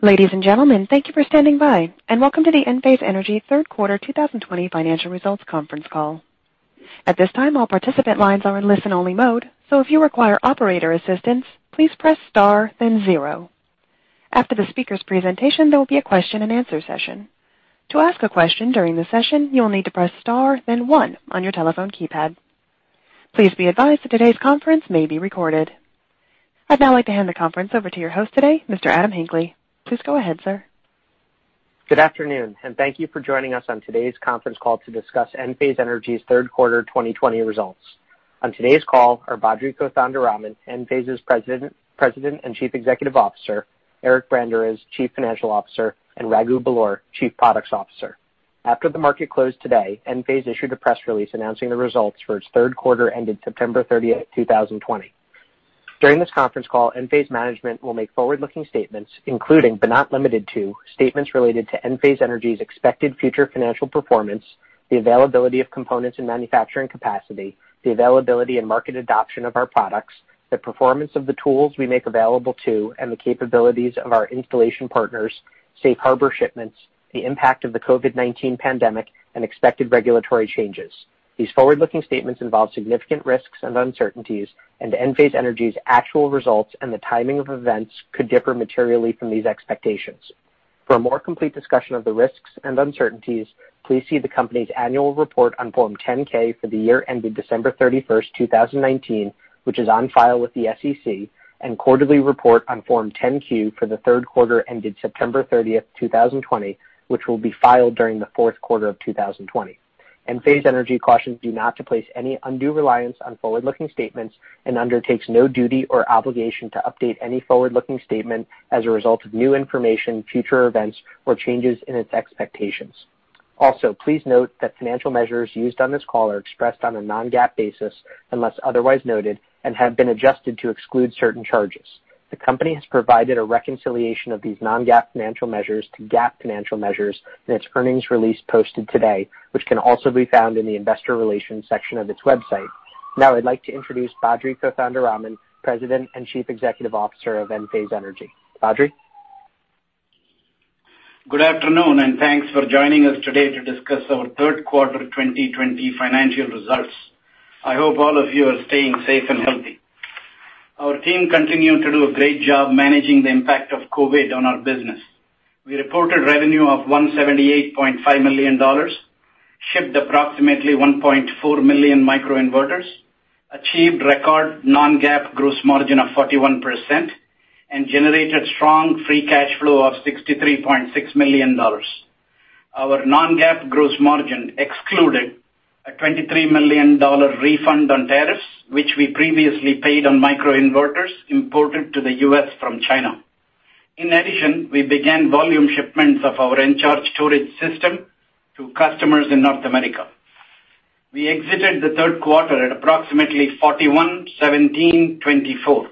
Ladies and gentlemen, thank you for standing by, and welcome to the Enphase Energy third quarter 2020 financial results conference call. At this time, all participant lines are in listen-only mode. So, if you require operator assistance, please press star then zero. After the speaker's presentation, there will be a question and answer session. To ask a question during the session, you'll need to press star then one on your telephone keypad. Please be advised that today's conference may be recorded. I'd now like to hand the conference over to your host today, Mr. Adam Hinckley. Please go ahead, sir. Good afternoon, and thank you for joining us on today's conference call to discuss Enphase Energy's third quarter 2020 results. On today's call are Badri Kothandaraman, Enphase's President and Chief Executive Officer, Eric Branderiz, Chief Financial Officer, and Raghu Belur, Chief Products Officer. After the market closed today, Enphase issued a press release announcing the results for its third quarter ended September 30th, 2020. During this conference call, Enphase management will make forward-looking statements, including, but not limited to, statements related to Enphase Energy's expected future financial performance, the availability of components and manufacturing capacity, the availability and market adoption of our products, the performance of the tools we make available to and the capabilities of our installation partners, safe harbor shipments, the impact of the COVID-19 pandemic, and expected regulatory changes. These forward-looking statements involve significant risks and uncertainties, and Enphase Energy's actual results and the timing of events could differ materially from these expectations. For a more complete discussion of the risks and uncertainties, please see the company's annual report on Form 10-K for the year ended December 31st, 2019, which is on file with the SEC, and quarterly report on Form 10-Q for the third quarter ended September 30th, 2020, which will be filed during the fourth quarter of 2020. Enphase Energy cautions you not to place any undue reliance on forward-looking statements and undertakes no duty or obligation to update any forward-looking statement as a result of new information, future events, or changes in its expectations. Please note that financial measures used on this call are expressed on a non-GAAP basis unless otherwise noted and have been adjusted to exclude certain charges. The company has provided a reconciliation of these non-GAAP financial measures to GAAP financial measures in its earnings release posted today, which can also be found in the investor relations section of its website. I'd like to introduce Badri Kothandaraman, President and Chief Executive Officer of Enphase Energy. Badri? Good afternoon, and thanks for joining us today to discuss our third quarter 2020 financial results. I hope all of you are staying safe and healthy. Our team continued to do a great job managing the impact of COVID on our business. We reported revenue of $178.5 million, shipped approximately 1.4 million microinverters, achieved record non-GAAP gross margin of 41%, and generated strong free cash flow of $63.6 million. Our non-GAAP gross margin excluded a $23 million refund on tariffs, which we previously paid on microinverters imported to the U.S. from China. In addition, we began volume shipments of our Encharge storage system to customers in North America. We exited the third quarter at approximately 41/17/24.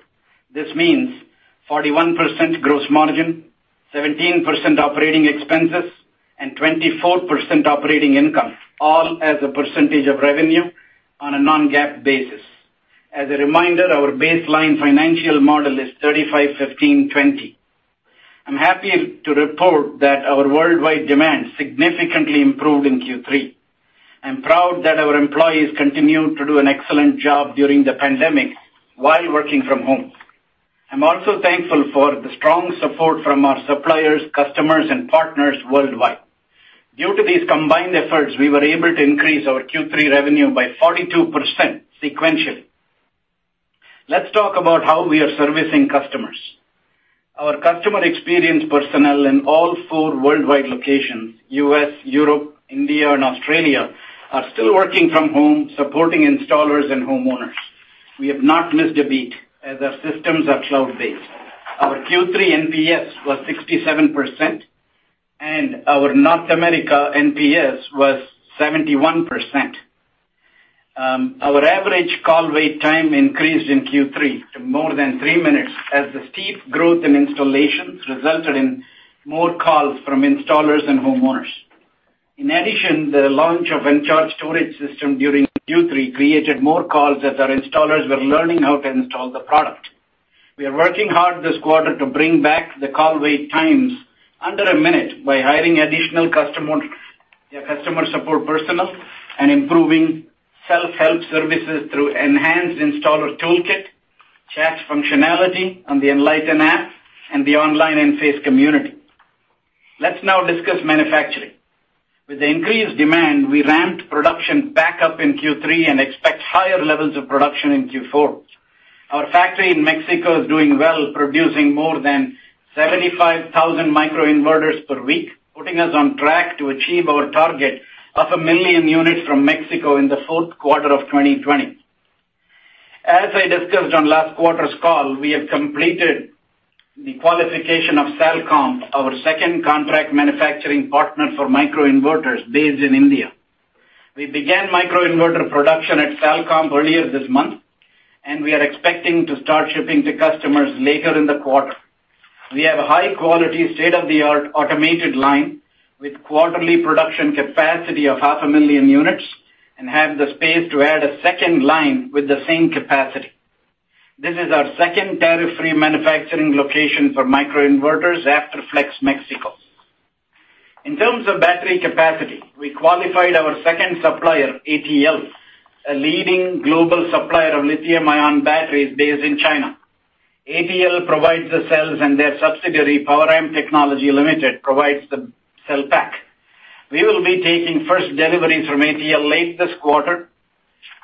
This means 41% gross margin, 17% operating expenses, and 24% operating income, all as a percentage of revenue on a non-GAAP basis. As a reminder, our baseline financial model is 35/15/20. I'm happy to report that our worldwide demand significantly improved in Q3. I'm proud that our employees continued to do an excellent job during the pandemic while working from home. I'm also thankful for the strong support from our suppliers, customers, and partners worldwide. Due to these combined efforts, we were able to increase our Q3 revenue by 42% sequentially. Let's talk about how we are servicing customers. Our customer experience personnel in all four worldwide locations, U.S., Europe, India, and Australia, are still working from home supporting installers and homeowners. We have not missed a beat, as our systems are cloud-based. Our Q3 NPS was 67%, and our North America NPS was 71%. Our average call wait time increased in Q3 to more than three minutes as the steep growth in installations resulted in more calls from installers and homeowners. In addition, the launch of Encharge storage system during Q3 created more calls as our installers were learning how to install the product. We are working hard this quarter to bring back the call wait times under a minute by hiring additional customer support personnel and improving self-help services through enhanced installer toolkit, chat functionality on the Enlighten app, and the online Enphase community. Let's now discuss manufacturing. With the increased demand, we ramped production back up in Q3 and expect higher levels of production in Q4. Our factory in Mexico is doing well, producing more than 75,000 microinverters per week, putting us on track to achieve our target of 1 million units from Mexico in the fourth quarter of 2020. As I discussed on last quarter's call, we have completed the qualification of Salcomp, our second contract manufacturing partner for microinverters based in India. We began microinverter production at Salcomp earlier this month, and we are expecting to start shipping to customers later in the quarter. We have a high-quality, state-of-the-art automated line with quarterly production capacity of 0.5 million units, and have the space to add a second line with the same capacity. This is our second tariff-free manufacturing location for microinverters after Flex Mexico. In terms of battery capacity, we qualified our second supplier, ATL, a leading global supplier of lithium-ion batteries based in China. ATL provides the cells, and their subsidiary, Poweramp Technology Limited, provides the cell pack. We will be taking first deliveries from ATL late this quarter,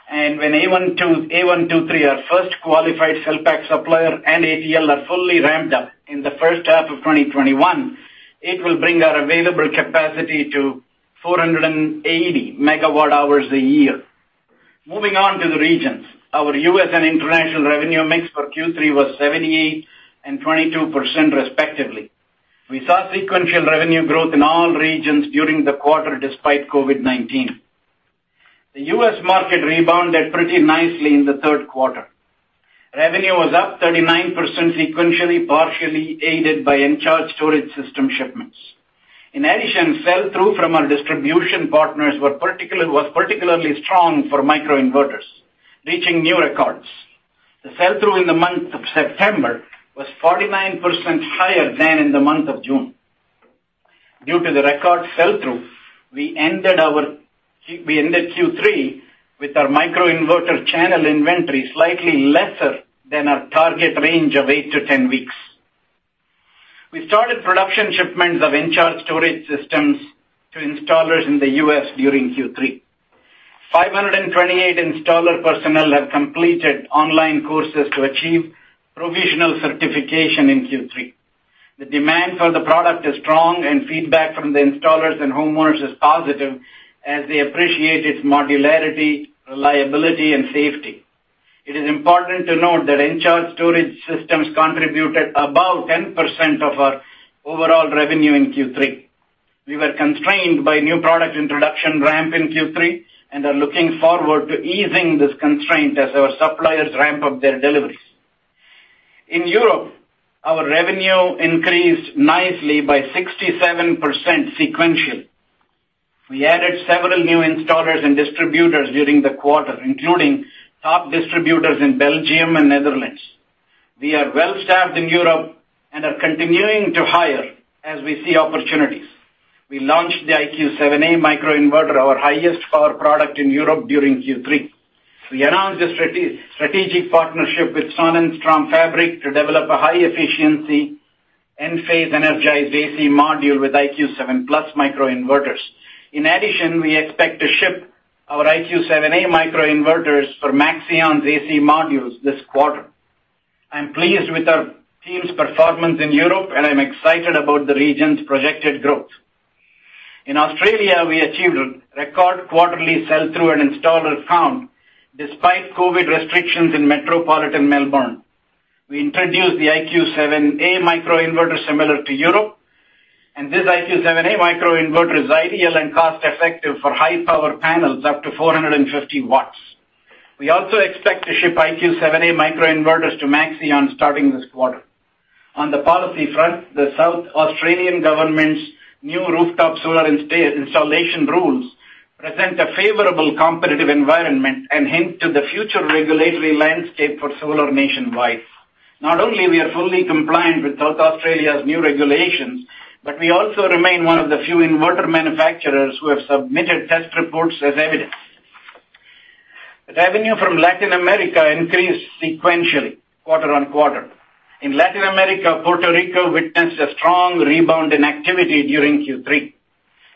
and when A123, our first qualified cell pack supplier, and ATL are fully ramped up in the first half of 2021, it will bring our available capacity to 480 megawatt hours a year. Moving on to the regions. Our U.S. and international revenue mix for Q3 was 78% and 22%, respectively. We saw sequential revenue growth in all regions during the quarter, despite COVID-19. The U.S. market rebounded pretty nicely in the third quarter. Revenue was up 39% sequentially, partially aided by Encharge storage system shipments. In addition, sell-through from our distribution partners was particularly strong for microinverters, reaching new records. The sell-through in the month of September was 49% higher than in the month of June. Due to the record sell-through, we ended Q3 with our microinverter channel inventory slightly lesser than our target range of 8-10 weeks. We started production shipments of Encharge storage systems to installers in the U.S. during Q3. 528 installer personnel have completed online courses to achieve provisional certification in Q3. The demand for the product is strong, and feedback from the installers and homeowners is positive as they appreciate its modularity, reliability, and safety. It is important to note that Encharge storage systems contributed about 10% of our overall revenue in Q3. We were constrained by new product introduction ramp in Q3 and are looking forward to easing this constraint as our suppliers ramp up their deliveries. In Europe, our revenue increased nicely by 67% sequentially. We added several new installers and distributors during the quarter, including top distributors in Belgium and Netherlands. We are well-staffed in Europe and are continuing to hire as we see opportunities. We launched the IQ7A microinverter, our highest power product in Europe during Q3. We announced a strategic partnership with Sonnenstromfabrik to develop a high-efficiency Enphase Energized AC module with IQ7+ microinverters. In addition, we expect to ship our IQ7A microinverters for Maxeon AC modules this quarter. I'm pleased with our team's performance in Europe. I'm excited about the region's projected growth. In Australia, we achieved a record quarterly sell-through and installer count despite COVID restrictions in metropolitan Melbourne. We introduced the IQ7A microinverter similar to Europe. This IQ7A microinverter is ideal and cost-effective for high-power panels up to 450 W. We also expect to ship IQ7A microinverters to Maxeon starting this quarter. On the policy front, the South Australian government's new rooftop solar installation rules present a favorable competitive environment and hint to the future regulatory landscape for solar nationwide. Not only are we fully compliant with South Australia's new regulations, we also remain one of the few inverter manufacturers who have submitted test reports as evidence. Revenue from Latin America increased sequentially, quarter-on-quarter. In Latin America, Puerto Rico witnessed a strong rebound in activity during Q3.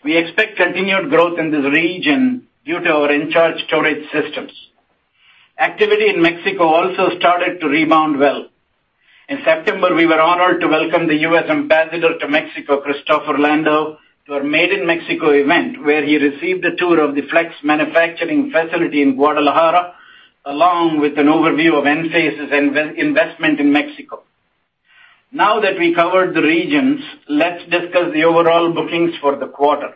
We expect continued growth in this region due to our Encharge storage systems. Activity in Mexico also started to rebound well. In September, we were honored to welcome the U.S. Ambassador to Mexico, Christopher Landau, to our Made in Mexico event, where he received a tour of the Flex manufacturing facility in Guadalajara, along with an overview of Enphase's investment in Mexico. Now that we covered the regions, let's discuss the overall bookings for the quarter.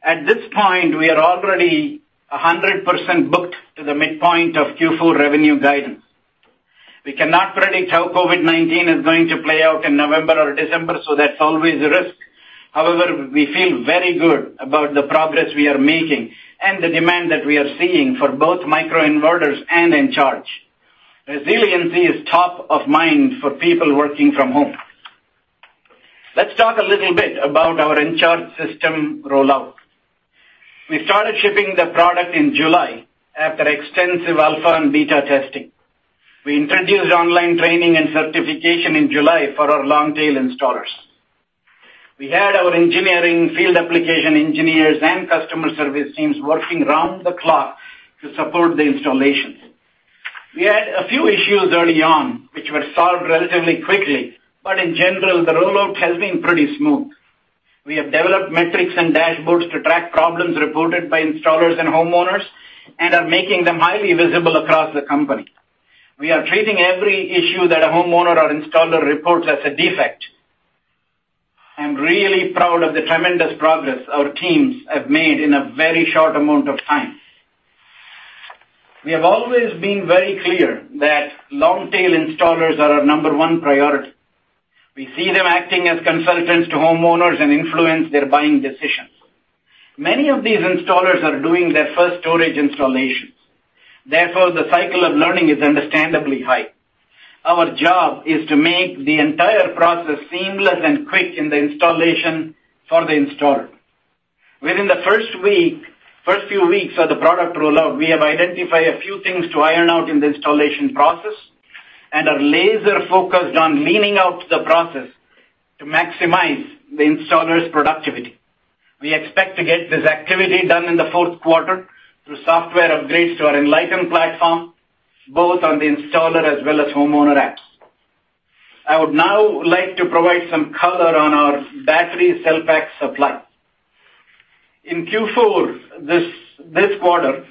At this point, we are already 100% booked to the midpoint of Q4 revenue guidance. We cannot predict how COVID-19 is going to play out in November or December, so that's always a risk. However, we feel very good about the progress we are making and the demand that we are seeing for both microinverters and Encharge. Resiliency is top of mind for people working from home. Let's talk a little bit about our Encharge system rollout. We started shipping the product in July after extensive alpha and beta testing. We introduced online training and certification in July for our long-tail installers. We had our engineering, field application engineers, and customer service teams working around the clock to support the installations. We had a few issues early on, which were solved relatively quickly, but in general, the rollout has been pretty smooth. We have developed metrics and dashboards to track problems reported by installers and homeowners and are making them highly visible across the company. We are treating every issue that a homeowner or installer reports as a defect. I'm really proud of the tremendous progress our teams have made in a very short amount of time. We have always been very clear that long-tail installers are our number one priority. We see them acting as consultants to homeowners and influence their buying decisions. Many of these installers are doing their first storage installations. Therefore, the cycle of learning is understandably high. Our job is to make the entire process seamless and quick in the installation for the installer. Within the first few weeks of the product rollout, we have identified a few things to iron out in the installation process and are laser-focused on leaning out the process to maximize the installer's productivity. We expect to get this activity done in the fourth quarter through software upgrades to our Enlighten platform, both on the installer as well as homeowner apps. I would now like to provide some color on our battery cell pack supply. In Q4, this quarter,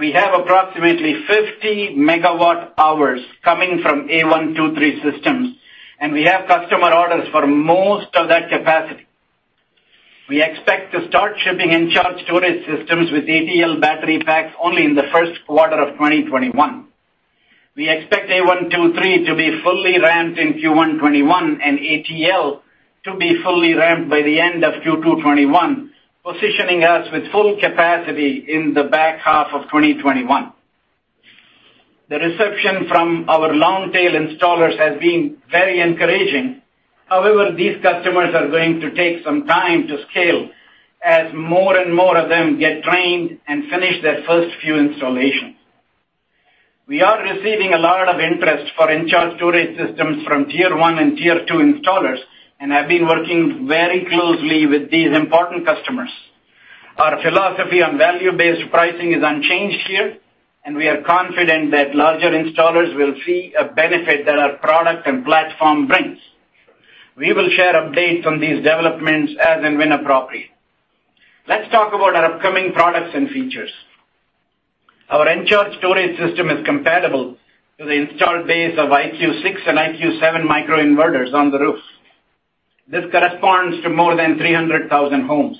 we have approximately 50 MW hours coming from A123 Systems, and we have customer orders for most of that capacity. We expect to start shipping Encharge storage systems with ATL battery packs only in the first quarter of 2021. We expect A123 to be fully ramped in Q1 2021 and ATL to be fully ramped by the end of Q2 2021, positioning us with full capacity in the back half of 2021. The reception from our long-tail installers has been very encouraging. However, these customers are going to take some time to scale as more and more of them get trained and finish their first few installations. We are receiving a lot of interest for Encharge storage systems from tier 1 and tier 2 installers and have been working very closely with these important customers. Our philosophy on value-based pricing is unchanged here, and we are confident that larger installers will see a benefit that our product and platform brings. We will share updates on these developments as and when appropriate. Let's talk about our upcoming products and features. Our Encharge storage system is compatible with the installed base of IQ6 and IQ7 microinverters on the roofs. This corresponds to more than 300,000 homes.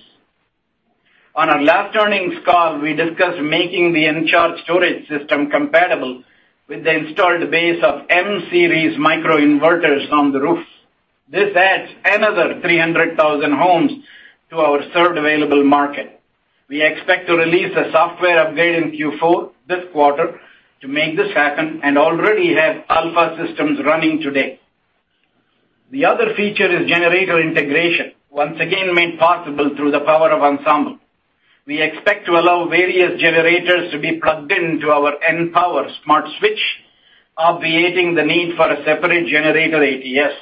On our last earnings call, we discussed making the Encharge storage system compatible with the installed base of M Series microinverters on the roofs. This adds another 300,000 homes to our served available market. We expect to release a software update in Q4, this quarter, to make this happen and already have alpha systems running today. The other feature is generator integration, once again made possible through the power of Ensemble. We expect to allow various generators to be plugged into our Enpower smart switch, obviating the need for a separate generator ATS.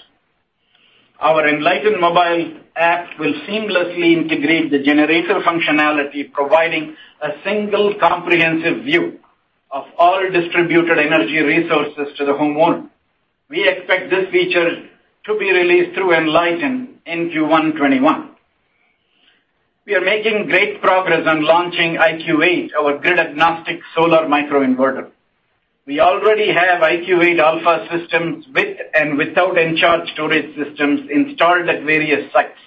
Our Enlighten mobile app will seamlessly integrate the generator functionality, providing a single comprehensive view of all distributed energy resources to the homeowner. We expect this feature to be released through Enlighten in Q1 2021. We are making great progress on launching IQ8, our grid-agnostic solar microinverter. We already have IQ8 alpha systems with and without Encharge storage systems installed at various sites.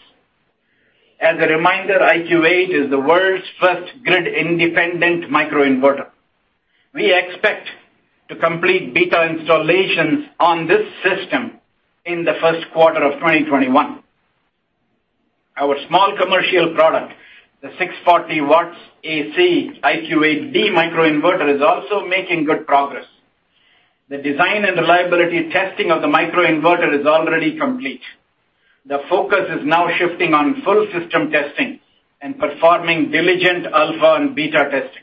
As a reminder, IQ8 is the world's first grid-independent microinverter. We expect to complete beta installations on this system in the first quarter of 2021. Our small commercial product, the 640 W AC IQ8D microinverter, is also making good progress. The design and reliability testing of the microinverter is already complete. The focus is now shifting on full system testing and performing diligent alpha and beta testing.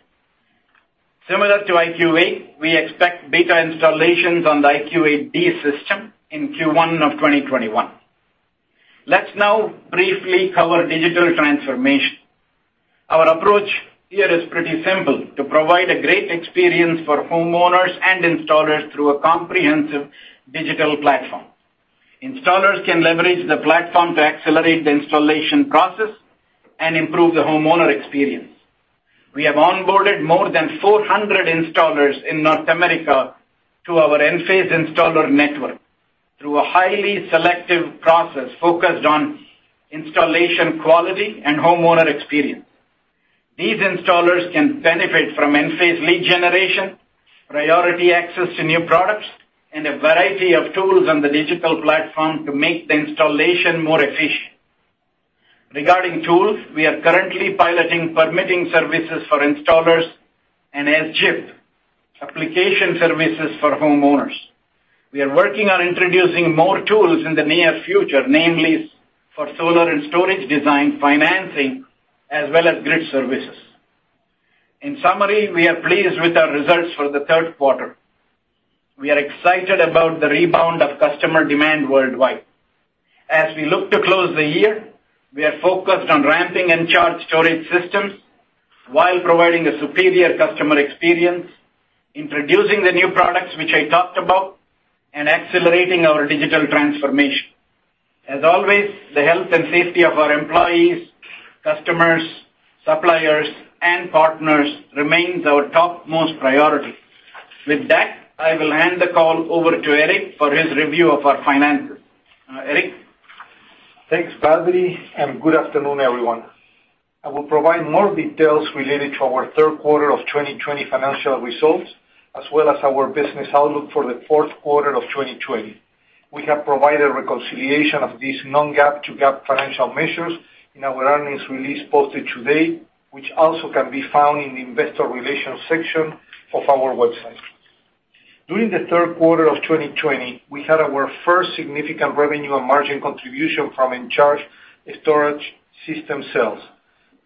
Similar to IQ8, we expect beta installations on the IQ8D system in Q1 of 2021. Let's now briefly cover digital transformation. Our approach here is pretty simple, to provide a great experience for homeowners and installers through a comprehensive digital platform. Installers can leverage the platform to accelerate the installation process and improve the homeowner experience. We have onboarded more than 400 installers in North America to our Enphase Installer Network through a highly selective process focused on installation quality and homeowner experience. These installers can benefit from Enphase lead generation, priority access to new products, and a variety of tools on the digital platform to make the installation more efficient. Regarding tools, we are currently piloting permitting services for installers and as-of application services for homeowners. We are working on introducing more tools in the near future, namely for solar and storage design financing, as well as grid services. In summary, we are pleased with our results for the third quarter. We are excited about the rebound of customer demand worldwide. As we look to close the year, we are focused on ramping Encharge storage systems while providing a superior customer experience, introducing the new products which I talked about, and accelerating our digital transformation. As always, the health and safety of our employees, customers, suppliers, and partners remains our topmost priority. With that, I will hand the call over to Eric for his review of our finances. Eric? Thanks, Badri, and good afternoon, everyone. I will provide more details related to our third quarter of 2020 financial results, as well as our business outlook for the fourth quarter of 2020. We have provided reconciliation of these non-GAAP to GAAP financial measures in our earnings release posted today, which also can be found in the investor relations section of our website. During the third quarter of 2020, we had our first significant revenue and margin contribution from Encharge storage system sales.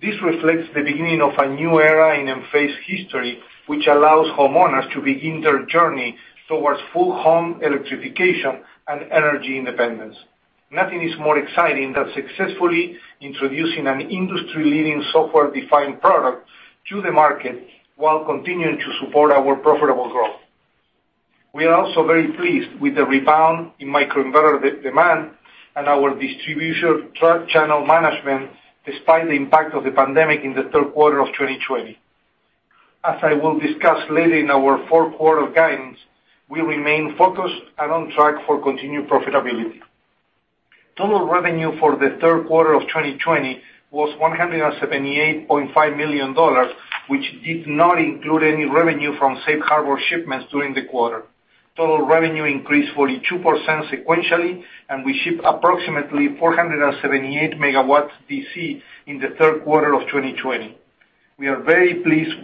This reflects the beginning of a new era in Enphase history, which allows homeowners to begin their journey towards full home electrification and energy independence. Nothing is more exciting than successfully introducing an industry-leading software-defined product to the market while continuing to support our profitable growth. We are also very pleased with the rebound in microinverter demand and our distribution channel management, despite the impact of the pandemic in the third quarter of 2020. As I will discuss later in our fourth quarter guidance, we remain focused and on track for continued profitability. Total revenue for the third quarter of 2020 was $178.5 million, which did not include any revenue from Safe Harbor shipments during the quarter. Total revenue increased 42% sequentially, and we shipped approximately 478 MW DC in the third quarter of 2020. We are very pleased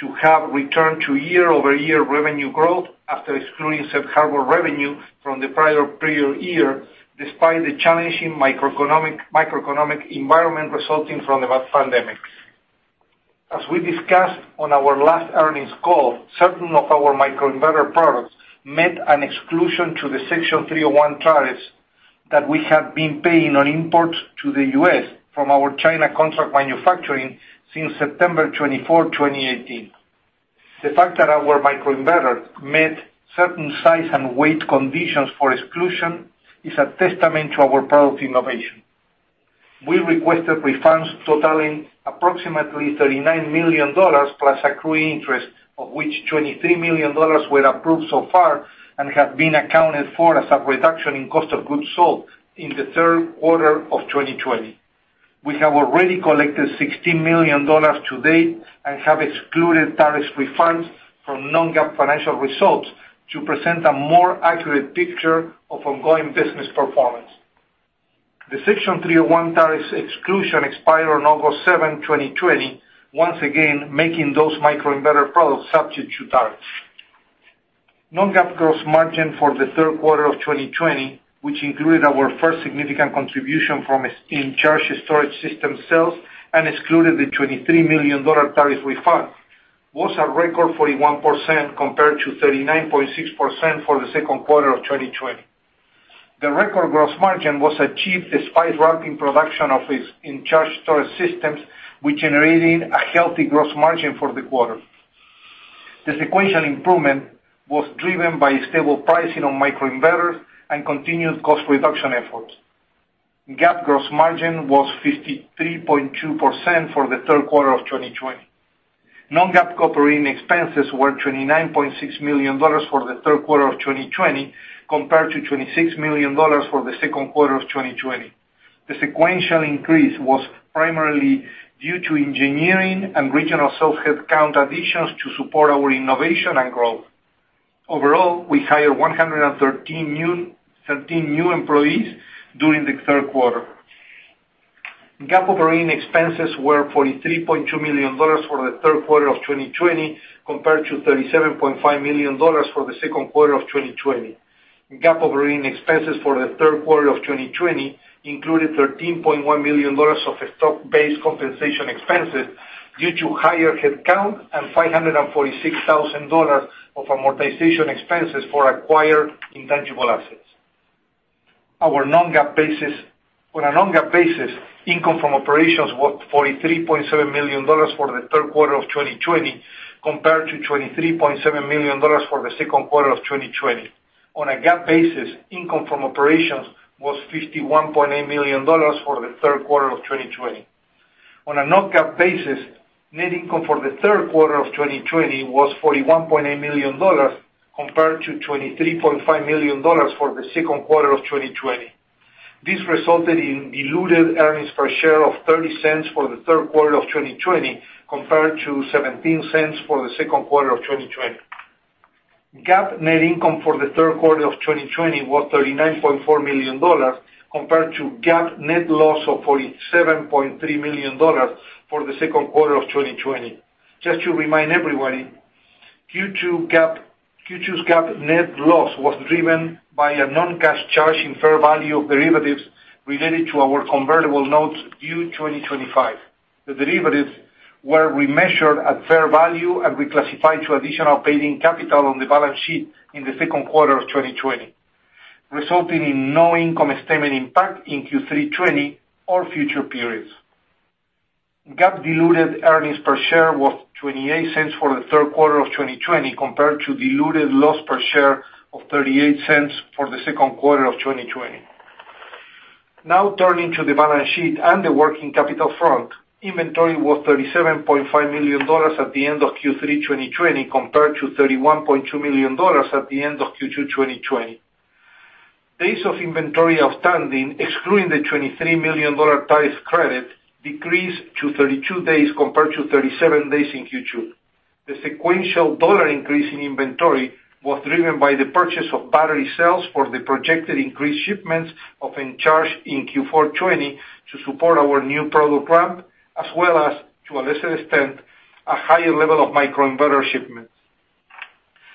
to have returned to year-over-year revenue growth after excluding Safe Harbor revenue from the prior period year, despite the challenging microeconomic environment resulting from the pandemic. As we discussed on our last earnings call, certain of our microinverter products met an exclusion to the Section 301 tariffs that we have been paying on imports to the U.S. from our China contract manufacturing since September 24, 2018. The fact that our microinverter met certain size and weight conditions for exclusion is a testament to our product innovation. We requested refunds totaling approximately $39 million plus accrued interest, of which $23 million were approved so far and have been accounted for as a reduction in cost of goods sold in the third quarter of 2020. We have already collected $16 million to date and have excluded tariffs refunds from non-GAAP financial results to present a more accurate picture of ongoing business performance. The Section 301 tariffs exclusion expired on August 7, 2020, once again, making those microinverter products subject to tariffs. Non-GAAP gross margin for the third quarter of 2020, which included our first significant contribution from Encharge storage system sales and excluded the $23 million tariffs refund, was a record 41% compared to 39.6% for the second quarter of 2020. The record gross margin was achieved despite ramping production of its Encharge storage systems, which generated a healthy gross margin for the quarter. This sequential improvement was driven by stable pricing on microinverters and continued cost reduction efforts. GAAP gross margin was 53.2% for the third quarter of 2020. Non-GAAP operating expenses were $29.6 million for the third quarter of 2020 compared to $26 million for the second quarter of 2020. The sequential increase was primarily due to engineering and regional sales headcount additions to support our innovation and growth. Overall, we hired 113 new employees during the third quarter. GAAP operating expenses were $43.2 million for the third quarter of 2020 compared to $37.5 million for the second quarter of 2020. GAAP operating expenses for the third quarter of 2020 included $13.1 million of stock-based compensation expenses due to higher headcount and $546,000 of amortization expenses for acquired intangible assets. On a non-GAAP basis, income from operations was $43.7 million for the third quarter of 2020 compared to $23.7 million for the second quarter of 2020. On a GAAP basis, income from operations was $51.8 million for the third quarter of 2020. On a non-GAAP basis, net income for the third quarter of 2020 was $41.8 million compared to $23.5 million for the second quarter of 2020. This resulted in diluted earnings per share of $0.30 for the third quarter of 2020 compared to $0.17 for the second quarter of 2020. GAAP net income for the third quarter of 2020 was $39.4 million compared to GAAP net loss of $47.3 million for the second quarter of 2020. Just to remind everybody, Q2's GAAP net loss was driven by a non-cash charge in fair value of derivatives related to our convertible notes due 2025. The derivatives were remeasured at fair value and reclassified to additional paid-in capital on the balance sheet in the second quarter of 2020, resulting in no income statement impact in Q3 2020 or future periods. GAAP diluted earnings per share was $0.28 for the third quarter of 2020 compared to diluted loss per share of $0.38 for the second quarter of 2020. Now turning to the balance sheet and the working capital front, inventory was $37.5 million at the end of Q3 2020 compared to $31.2 million at the end of Q2 2020. Days of inventory outstanding, excluding the $23 million tariff credit, decreased to 32 days compared to 37 days in Q2. The sequential dollar increase in inventory was driven by the purchase of battery cells for the projected increased shipments of Encharge in Q4 2020 to support our new product ramp, as well as, to a lesser extent, a higher level of microinverter shipments.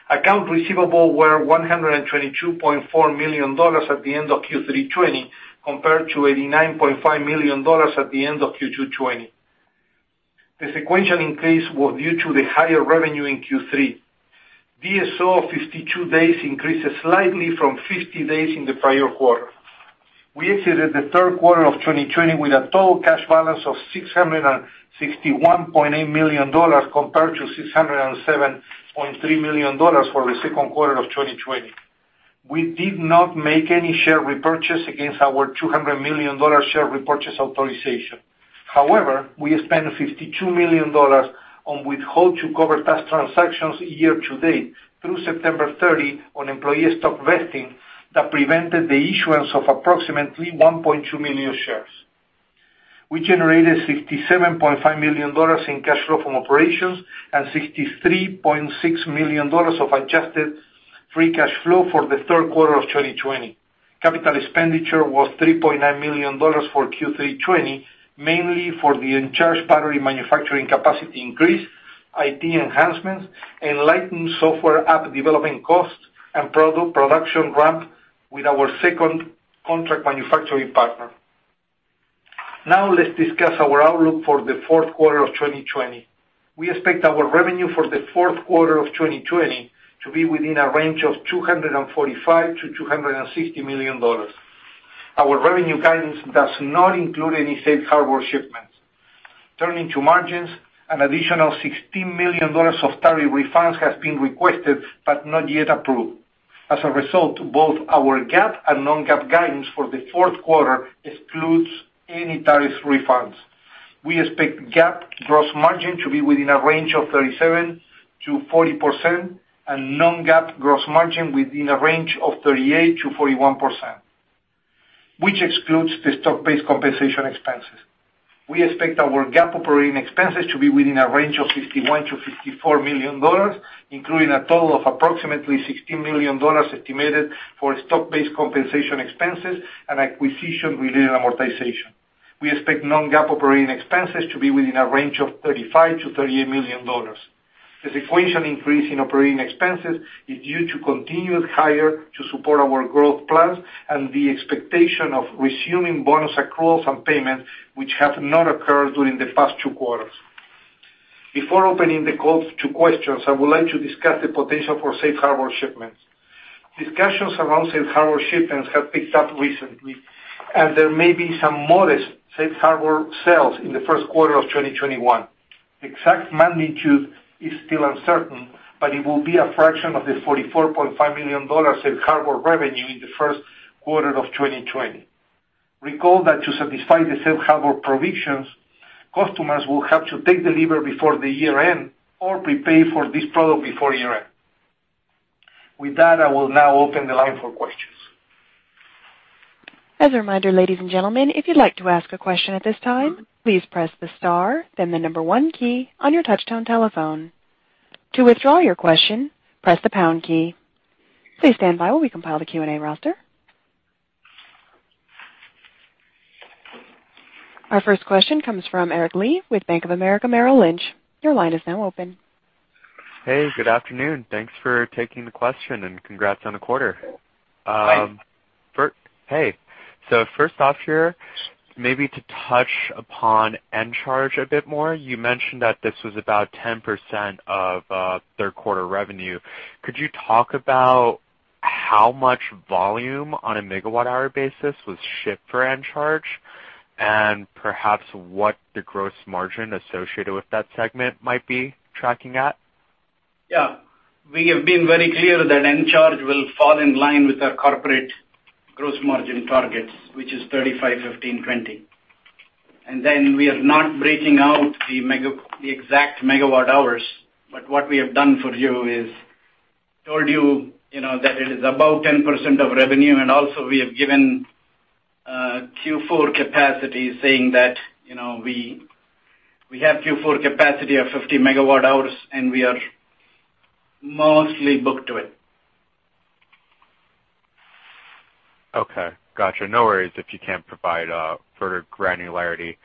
Account receivables were $122.4 million at the end of Q3 2020 compared to $89.5 million at the end of Q2 2020. The sequential increase was due to the higher revenue in Q3. DSO of 52 days increases slightly from 50 days in the prior quarter. We exited the third quarter of 2020 with a total cash balance of $661.8 million compared to $607.3 million for the second quarter of 2020. We did not make any share repurchase against our $200 million share repurchase authorization. However, we spent $52 million on withhold to cover tax transactions year to date through September 30 on employee stock vesting that prevented the issuance of approximately 1.2 million shares. We generated $67.5 million in cash flow from operations and $63.6 million of adjusted free cash flow for the third quarter of 2020. Capital expenditure was $3.9 million for Q3 '20, mainly for the Encharge battery manufacturing capacity increase, IT enhancements, Enlighten software app development cost, and product production ramp with our second contract manufacturing partner. Now let's discuss our outlook for the fourth quarter of 2020. We expect our revenue for the fourth quarter of 2020 to be within a range of $245 million-$260 million. Our revenue guidance does not include any safe harbor shipments. Turning to margins, an additional $16 million of tariff refunds has been requested, but not yet approved. As a result, both our GAAP and non-GAAP guidance for the fourth quarter excludes any tariff refunds. We expect GAAP gross margin to be within a range of 37%-40% and non-GAAP gross margin within a range of 38%-41%, which excludes the stock-based compensation expenses. We expect our GAAP operating expenses to be within a range of $51 million-$54 million, including a total of approximately $16 million estimated for stock-based compensation expenses and acquisition-related amortization. We expect non-GAAP operating expenses to be within a range of $35 million-$38 million. The sequential increase in operating expenses is due to continued hire to support our growth plans and the expectation of resuming bonus accruals and payments, which have not occurred during the past two quarters. Before opening the call to questions, I would like to discuss the potential for safe harbor shipments. Discussions around safe harbor shipments have picked up recently, there may be some modest safe harbor sales in the first quarter of 2021. The exact magnitude is still uncertain, it will be a fraction of the $44.5 million safe harbor revenue in the first quarter of 2020. Recall that to satisfy the safe harbor provisions, customers will have to take delivery before the year-end or prepay for this product before year-end. With that, I will now open the line for questions. As a reminder, ladies and gentlemen, if you'd like to ask a question at this time, please press the star, then the number one key on your touchtone telephone. To withdraw your question, press the pound key. Please stand by while we compile the Q&A roster. Our first question comes from Aric Li with Bank of America Merrill Lynch. Your line is now open. Hey, good afternoon. Thanks for taking the question and congrats on the quarter. Thanks. Hey. First off here, maybe to touch upon Encharge a bit more. You mentioned that this was about 10% of third quarter revenue. Could you talk about how much volume on a megawatt hour basis was shipped for Encharge and perhaps what the gross margin associated with that segment might be tracking at? Yeah. We have been very clear that Encharge will fall in line with our corporate gross margin targets, which is 35%, 15%, 20%. We are not breaking out the exact megawatt hours, but what we have done for you is told you that it is about 10% of revenue, and also we have given Q4 capacity saying that we have Q4 capacity of 50 MWh, and we are mostly booked to it. Okay, gotcha. No worries if you can't provide further granularity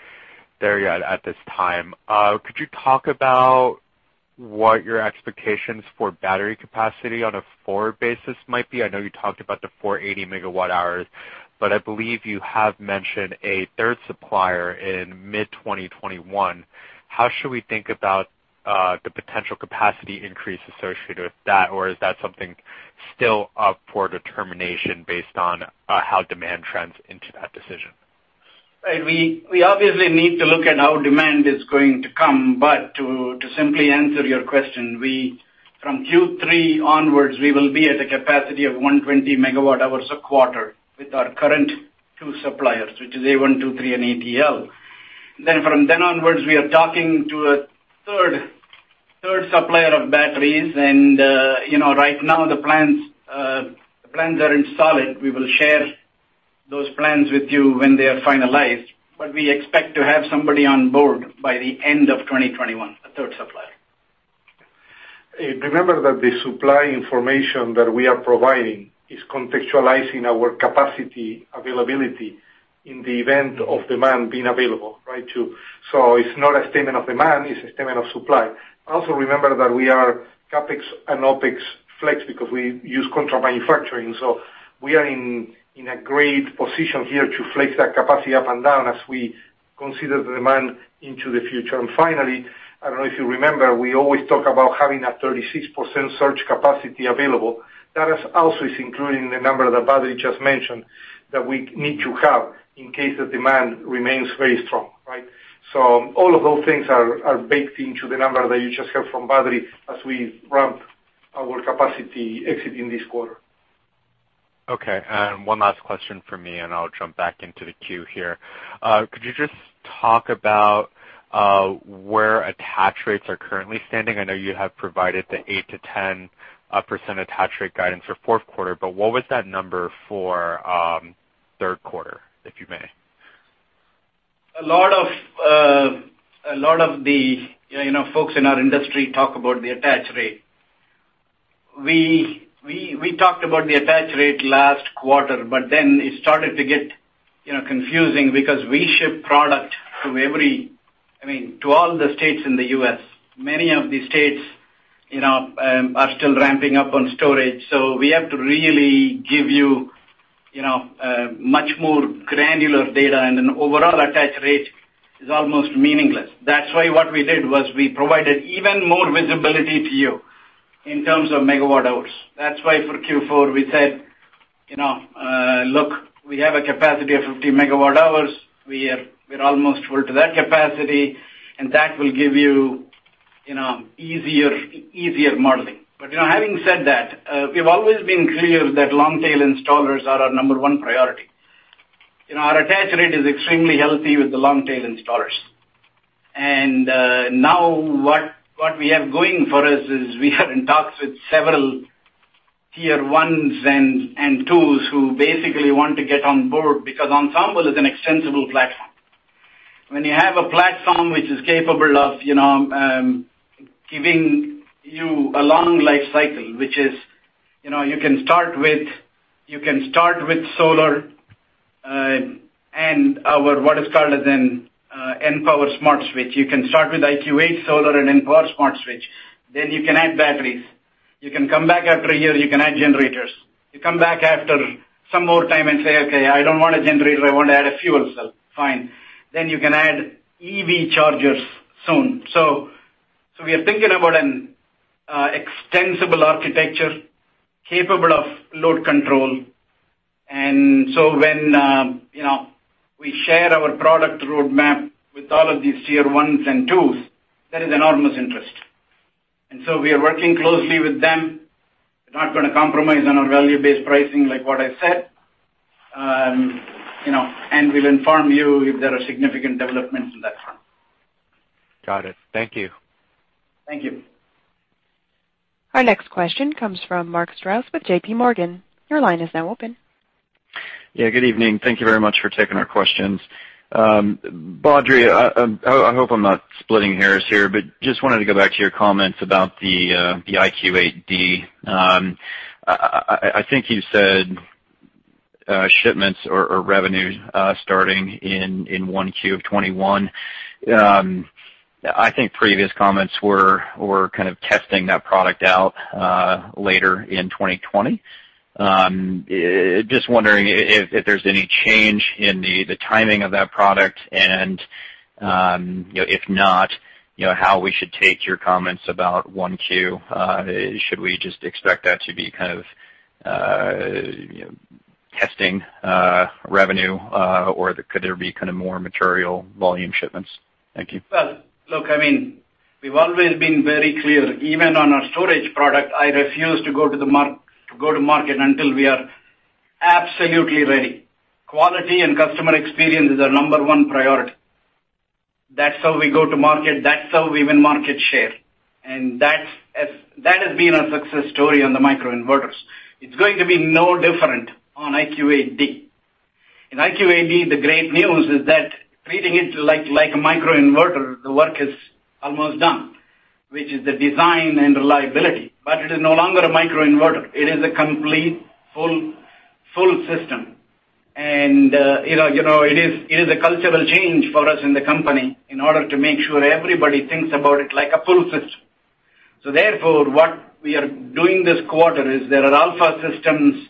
there yet at this time. Could you talk about what your expectations for battery capacity on a forward basis might be? I know you talked about the 480 MWh. I believe you have mentioned a third supplier in mid-2021. How should we think about the potential capacity increase associated with that? Is that something still up for determination based on how demand trends into that decision? We obviously need to look at how demand is going to come, but to simply answer your question, from Q3 onwards, we will be at a capacity of 120 MWh a quarter with our current two suppliers, which is A123 and ATL. From then onwards, we are talking to a third supplier of batteries. Right now, the plans are in solid. We will share those plans with you when they are finalized, but we expect to have somebody on board by the end of 2021, a third supplier. Remember that the supply information that we are providing is contextualizing our capacity availability in the event of demand being available, right? It's not a statement of demand, it's a statement of supply. Also remember that we are CapEx and OpEx flex because we use contract manufacturing. We are in a great position here to flex that capacity up and down as we consider the demand into the future. Finally, I don't know if you remember, we always talk about having a 36% surge capacity available. That also is including the number that Badri just mentioned, that we need to have in case the demand remains very strong, right? All of those things are baked into the number that you just heard from Badri as we ramp our capacity exiting this quarter. Okay. One last question from me, and I'll jump back into the queue here. Could you just talk about where attach rates are currently standing? I know you have provided the 8%-10% attach rate guidance for fourth quarter, but what was that number for third quarter, if you may? A lot of the folks in our industry talk about the attach rate. Then it started to get confusing because we ship product to all the states in the U.S. Many of the states are still ramping up on storage, so we have to really give you much more granular data, and an overall attach rate is almost meaningless. That's why what we did was we provided even more visibility to you in terms of megawatt hours. That's why for Q4 we said, "Look, we have a capacity of 50 MWh." We are almost full to that capacity, and that will give you easier modeling. Having said that, we've always been clear that long-tail installers are our number one priority. Our attach rate is extremely healthy with the long-tail installers. Now what we have going for us is we are in talks with several tier 1s and 2s who basically want to get on board because Ensemble is an extensible platform. When you have a platform which is capable of giving you a long life cycle. You can start with solar, and what is called an Enphase smart switch. You can start with IQ8 solar and Enpower smart switch. You can add batteries. You can come back after a year, you can add generators. You come back after some more time and say, "Okay, I don't want a generator, I want to add a fuel cell." Fine. You can add EV chargers soon. We are thinking about an extensible architecture capable of load control, when we share our product roadmap with all of these tier 1s and 2s, there is enormous interest. We are working closely with them. We're not going to compromise on our value-based pricing, like what I said. We'll inform you if there are significant developments on that front. Got it. Thank you. Thank you. Our next question comes from Mark Strouse with JPMorgan. Your line is now open. Yeah, good evening. Thank you very much for taking our questions. Badri, I hope I'm not splitting hairs here, but just wanted to go back to your comments about the IQ8D. I think you said shipments or revenues starting in 1Q of 2021. I think previous comments were kind of testing that product out later in 2020. Just wondering if there's any change in the timing of that product, and, if not, how we should take your comments about 1Q. Should we just expect that to be kind of testing revenue, or could there be more material volume shipments? Thank you. Well, look, we've always been very clear. Even on our storage product, I refuse to go to market until we are absolutely ready. Quality and customer experience is our number one priority. That's how we go to market. That's how we win market share. That has been our success story on the microinverters. It's going to be no different on IQ8D. In IQ8D, the great news is that treating it like a microinverter, the work is almost done, which is the design and reliability. It is no longer a microinverter. It is a complete full system. It is a cultural change for us in the company in order to make sure everybody thinks about it like a full system. Therefore, what we are doing this quarter is there are alpha systems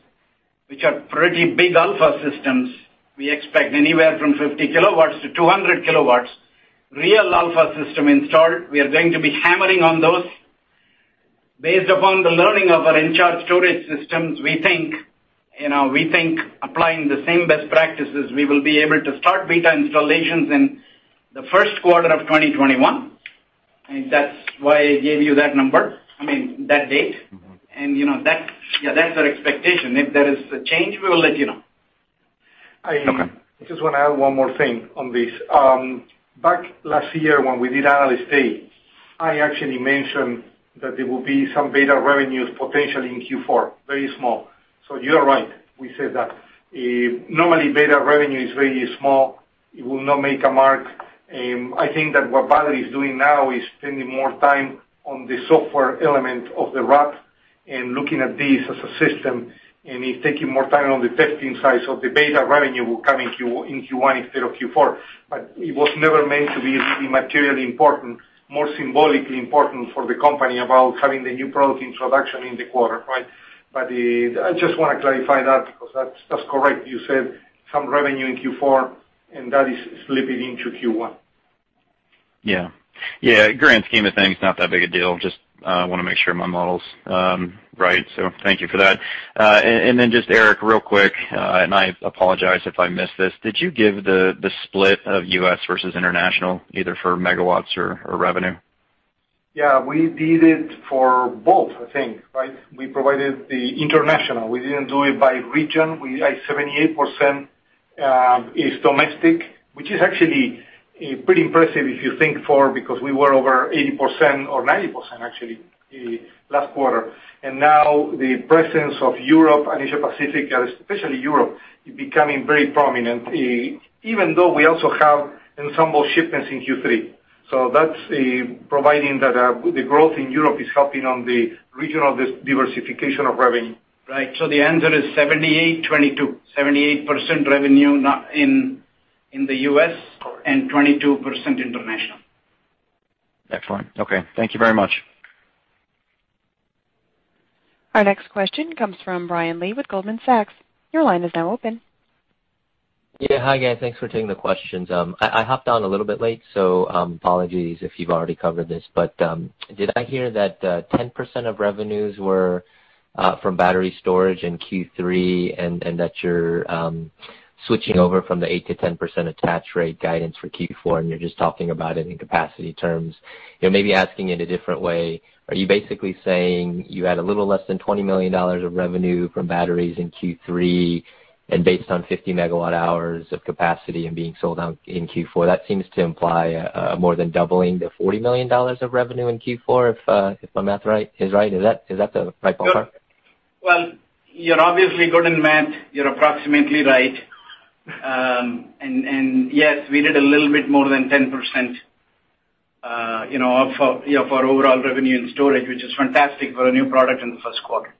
which are pretty big alpha systems. We expect anywhere from 50 kW-200 kW, real alpha system installed. We are going to be hammering on those. Based upon the learning of our Encharge storage systems, we think applying the same best practices, we will be able to start beta installations in the first quarter of 2021. That's why I gave you that number. I mean, that date. That's our expectation. If there is a change, we will let you know. I just want to add one more thing on this. Back last year when we did analyst day, I actually mentioned that there will be some beta revenues potentially in Q4, very small. You are right. We said that. Normally beta revenue is very small. It will not make a mark. I think that what Badri is doing now is spending more time on the software element of the rack and looking at this as a system, and he's taking more time on the testing side. The beta revenue will come in Q1 instead of Q4. It was never meant to be materially important, more symbolically important for the company about having the new product introduction in the quarter. I just want to clarify that because that's correct. You said some revenue in Q4, and that is slipping into Q1. Yeah. Grand scheme of things, not that big a deal. Just want to make sure my model's right. Thank you for that. Just Eric, real quick, and I apologize if I missed this. Did you give the split of U.S. versus international, either for megawatts or revenue? Yeah, we did it for both, I think, right? We provided the international. We didn't do it by region. 78% is domestic, which is actually pretty impressive if you think for, because we were over 80% or 90%, actually, last quarter. Now the presence of Europe and Asia Pacific, especially Europe, becoming very prominent, even though we also have Ensemble shipments in Q3. That's providing that the growth in Europe is helping on the regional diversification of revenue. Right. The answer is 78/22. 78% revenue in the U.S. and 22% international. Excellent. Okay. Thank you very much. Our next question comes from Brian Lee with Goldman Sachs. Your line is now open. Yeah. Hi, guys. Thanks for taking the questions. I hopped on a little bit late, so apologies if you've already covered this, but did I hear that 10% of revenues were from battery storage in Q3 and that you're switching over from the 8%-10% attach rate guidance for Q4, and you're just talking about it in capacity terms? Maybe asking it a different way, are you basically saying you had a little less than $20 million of revenue from batteries in Q3, and based on 50 MWh of capacity and being sold out in Q4? That seems to imply more than doubling to $40 million of revenue in Q4, if my math is right. Is that the right ballpark? Well, you're obviously good in math. You're approximately right. Yes, we did a little bit more than 10% of our overall revenue in storage, which is fantastic for a new product in the first quarter.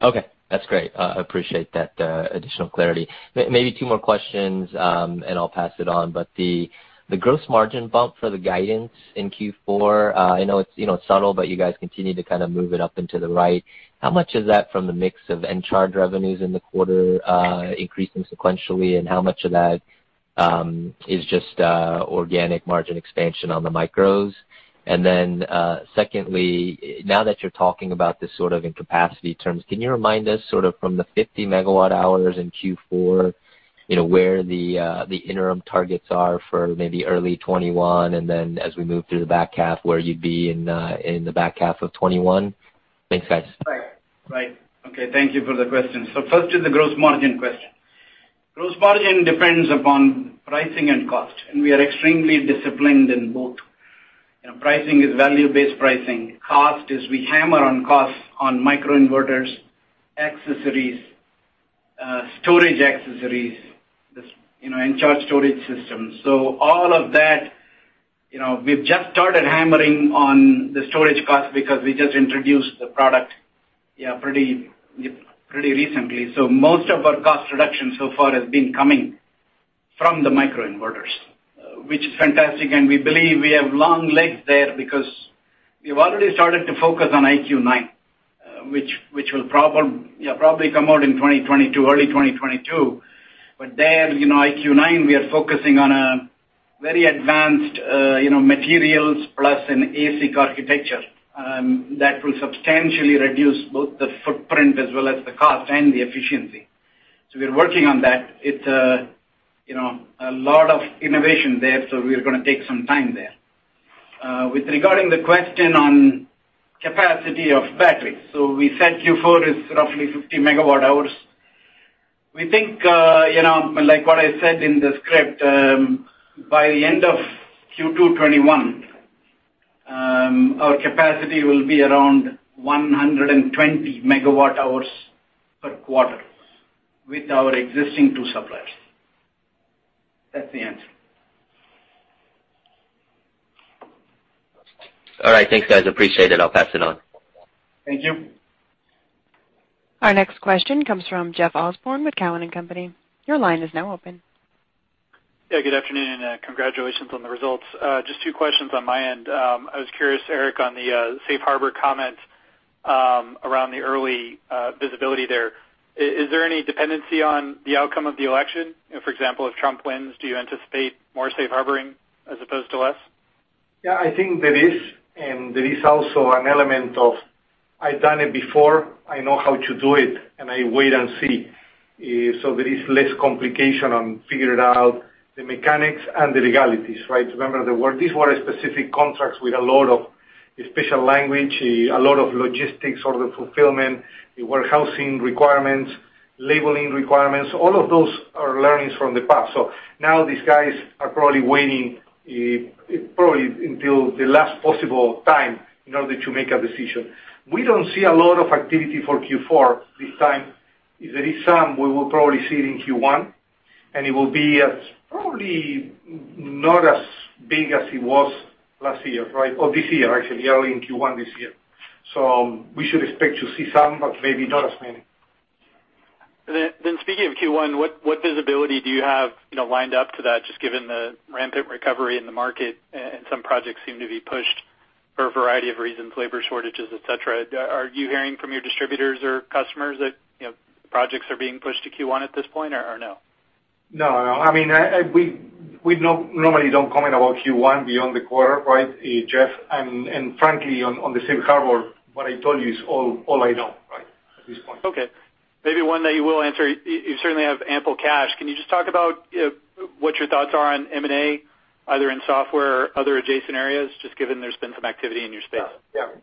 Okay, that's great. I appreciate that additional clarity. Maybe two more questions, and I'll pass it on. The gross margin bump for the guidance in Q4, I know it's subtle, but you guys continue to kind of move it up and to the right. How much of that from the mix of Encharge revenues in the quarter increasing sequentially, and how much of that is just organic margin expansion on the micros? Secondly, now that you're talking about this sort of in capacity terms, can you remind us sort of from the 50 MWh in Q4, where the interim targets are for maybe early 2021, and then as we move through the back half, where you'd be in the back half of 2021? Thanks, guys. Right. Okay. Thank you for the question. First is the gross margin question. Gross margin depends upon pricing and cost, and we are extremely disciplined in both. Pricing is value-based pricing. Cost is we hammer on costs on microinverters, accessories, storage accessories, Encharge storage systems. All of that, we've just started hammering on the storage cost because we just introduced the product pretty recently. Most of our cost reduction so far has been coming from the microinverters, which is fantastic, and we believe we have long legs there because we've already started to focus on IQ9, which will probably come out in early 2022. There, IQ9, we are focusing on a very advanced materials plus an ASIC architecture that will substantially reduce both the footprint as well as the cost and the efficiency. We're working on that. It's a lot of innovation there. We're going to take some time there. With regarding the question on capacity of battery. We said Q4 is roughly 50 MWh. We think, like what I said in the script, by the end of Q2 2021, our capacity will be around 120 megawatt hours per quarter with our existing two suppliers. That's the answer. All right. Thanks, guys. Appreciate it. I'll pass it on. Thank you. Our next question comes from Jeff Osborne with Cowen and Company. Your line is now open. Good afternoon, and congratulations on the results. Just two questions on my end. I was curious, Eric, on the safe harbor comment around the early visibility there. Is there any dependency on the outcome of the election? For example, if Trump wins, do you anticipate more safe harboring as opposed to less? Yeah, I think there is, and there is also an element of I've done it before, I know how to do it, and I wait and see. There is less complication on figure it out, the mechanics and the legalities, right? Remember, these were specific contracts with a lot of special language, a lot of logistics, all the fulfillment, the warehousing requirements, labeling requirements, all of those are learnings from the past. Now these guys are probably waiting until the last possible time in order to make a decision. We don't see a lot of activity for Q4 this time. If there is some, we will probably see it in Q1, and it will be at probably not as big as it was last year. This year, actually, early in Q1 this year. We should expect to see some, but maybe not as many. Speaking of Q1, what visibility do you have lined up to that, just given the rampant recovery in the market and some projects seem to be pushed for a variety of reasons, labor shortages, et cetera? Are you hearing from your distributors or customers that projects are being pushed to Q1 at this point or no? No. We normally don't comment about Q1 beyond the quarter, Jeff, and frankly, on the safe harbor, what I told you is all I know at this point. Okay. Maybe one that you will answer. You certainly have ample cash. Can you just talk about what your thoughts are on M&A, either in software or other adjacent areas, just given there's been some activity in your space?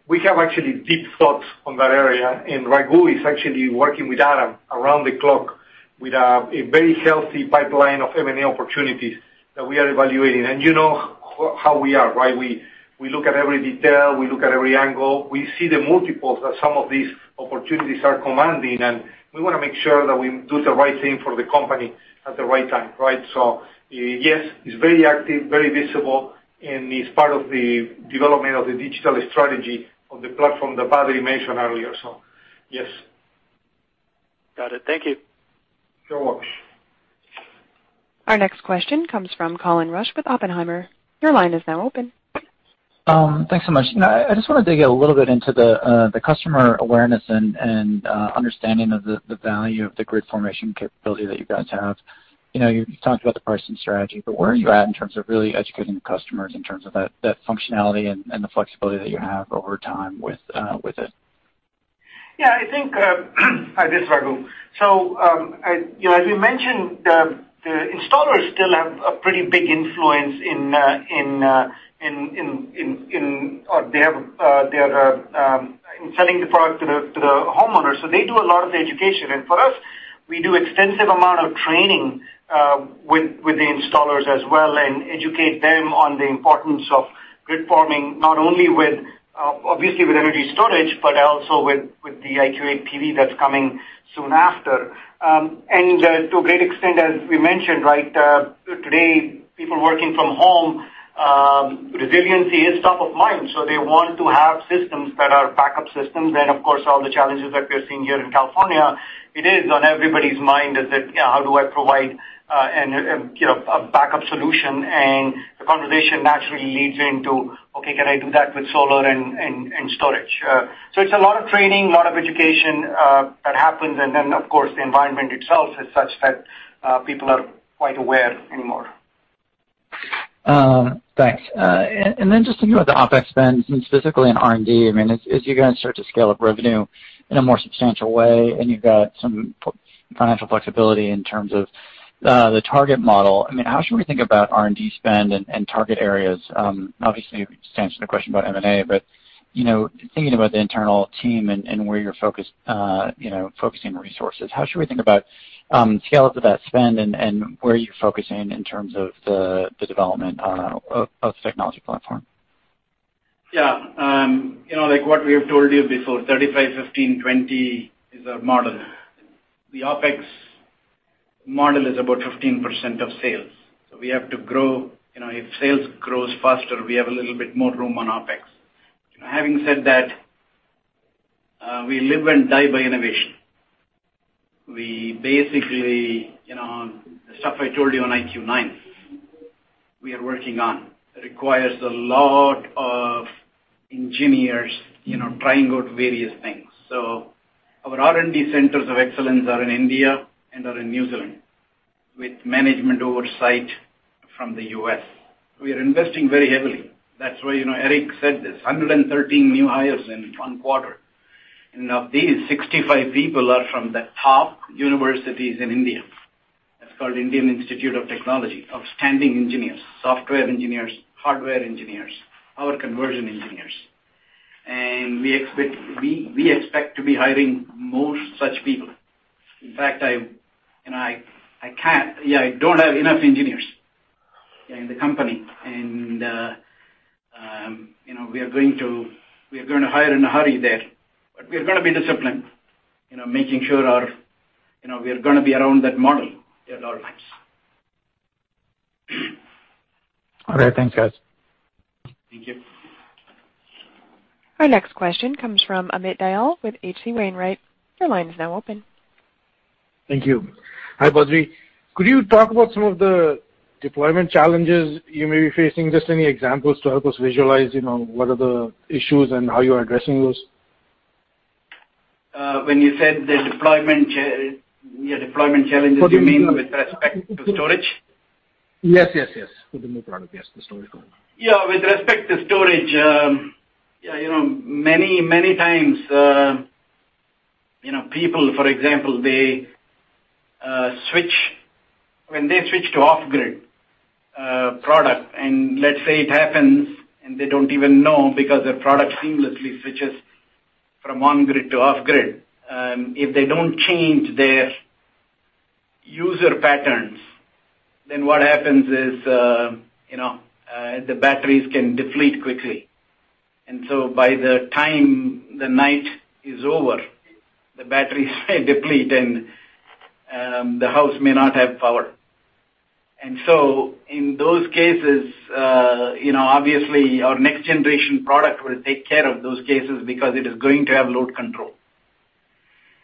We have actually deep thoughts on that area, and Raghu is actually working with Adam around the clock with a very healthy pipeline of M&A opportunities that we are evaluating. You know how we are. We look at every detail. We look at every angle. We see the multiples that some of these opportunities are commanding, and we want to make sure that we do the right thing for the company at the right time. Yes, he's very active, very visible, and he's part of the development of the digital strategy of the platform that Badri mentioned earlier, so yes. Got it. Thank you. You're welcome. Our next question comes from Colin Rusch with Oppenheimer. Your line is now open. Thanks so much. I just want to dig a little bit into the customer awareness and understanding of the value of the grid formation capability that you guys have. You talked about the pricing strategy, but where are you at in terms of really educating the customers in terms of that functionality and the flexibility that you have over time with it? Yeah, I think, hi, this is Raghu. As we mentioned, the installers still have a pretty big influence in selling the product to the homeowners. For us, we do extensive amount of training with the installers as well and educate them on the importance of grid forming, not only with, obviously, with energy storage, but also with the IQ8 PV that's coming soon after. To a great extent, as we mentioned, today, people working from home, resiliency is top of mind. They want to have systems that are backup systems. Of course, all the challenges that we're seeing here in California, it is on everybody's mind is that, "How do I provide a backup solution?" The conversation naturally leads into, "Okay, can I do that with solar and storage?" It's a lot of training, a lot of education that happens, of course, the environment itself is such that people are quite aware anymore. Thanks. Just thinking about the OpEx spend, specifically in R&D, as you guys start to scale up revenue in a more substantial way, and you've got some financial flexibility in terms of the target model. How should we think about R&D spend and target areas? Obviously, you just answered the question about M&A, but thinking about the internal team and where you're focusing resources, how should we think about scale up of that spend and where you're focusing in terms of the development of the technology platform? Like what we have told you before, 35/15/20 is our model. The OpEx model is about 15% of sales. We have to grow. If sales grows faster, we have a little bit more room on OpEx. Having said that, we live and die by innovation. We basically, the stuff I told you on IQ9, we are working on. It requires a lot of engineers trying out various things. Our R&D centers of excellence are in India and are in New Zealand with management oversight from the U.S. We are investing very heavily. That's why Eric said this, 113 new hires in one quarter. Of these, 65 people are from the top universities in India. That's called Indian Institute of Technology. Outstanding engineers, software engineers, hardware engineers, power conversion engineers. We expect to be hiring more such people. In fact, I don't have enough engineers in the company. We are going to hire in a hurry there. We are going to be disciplined, making sure we are going to be around that model at all times. All right. Thanks, guys. Thank you. Our next question comes from Amit Dayal with H.C. Wainwright. Your line is now open. Thank you. Hi, Badri. Could you talk about some of the deployment challenges you may be facing? Just any examples to help us visualize what are the issues and how you're addressing those. When you said the deployment challenges, do you mean with respect to storage? Yes. With the new product, yes, the storage one. Yeah. With respect to storage, many times, people, for example, when they switch to off-grid product, and let's say it happens, and they don't even know because their product seamlessly switches from on-grid to off-grid. If they don't change their user patterns, what happens is, the batteries can deplete quickly. By the time the night is over, the batteries may deplete and the house may not have power. In those cases, obviously, our next generation product will take care of those cases because it is going to have load control.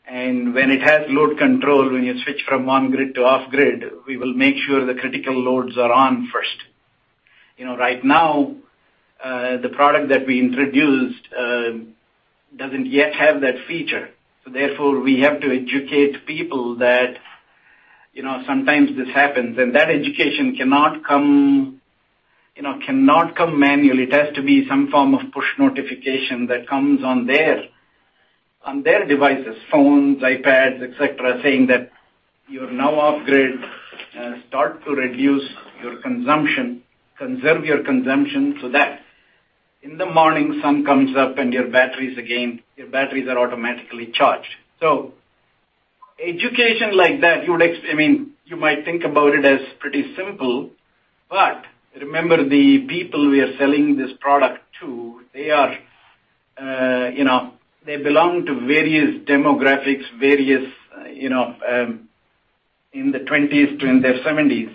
When it has load control, when you switch from on-grid to off-grid, we will make sure the critical loads are on first. Right now, the product that we introduced doesn't yet have that feature. Therefore, we have to educate people that sometimes this happens. That education cannot come manually. It has to be some form of push notification that comes on their devices, phones, iPads, et cetera, saying that, "You're now off-grid. Start to reduce your consumption. Conserve your consumption so that in the morning, sun comes up and your batteries are automatically charged." Education like that, you might think about it as pretty simple, but remember the people we are selling this product to, they belong to various demographics, in their twenties to in their seventies.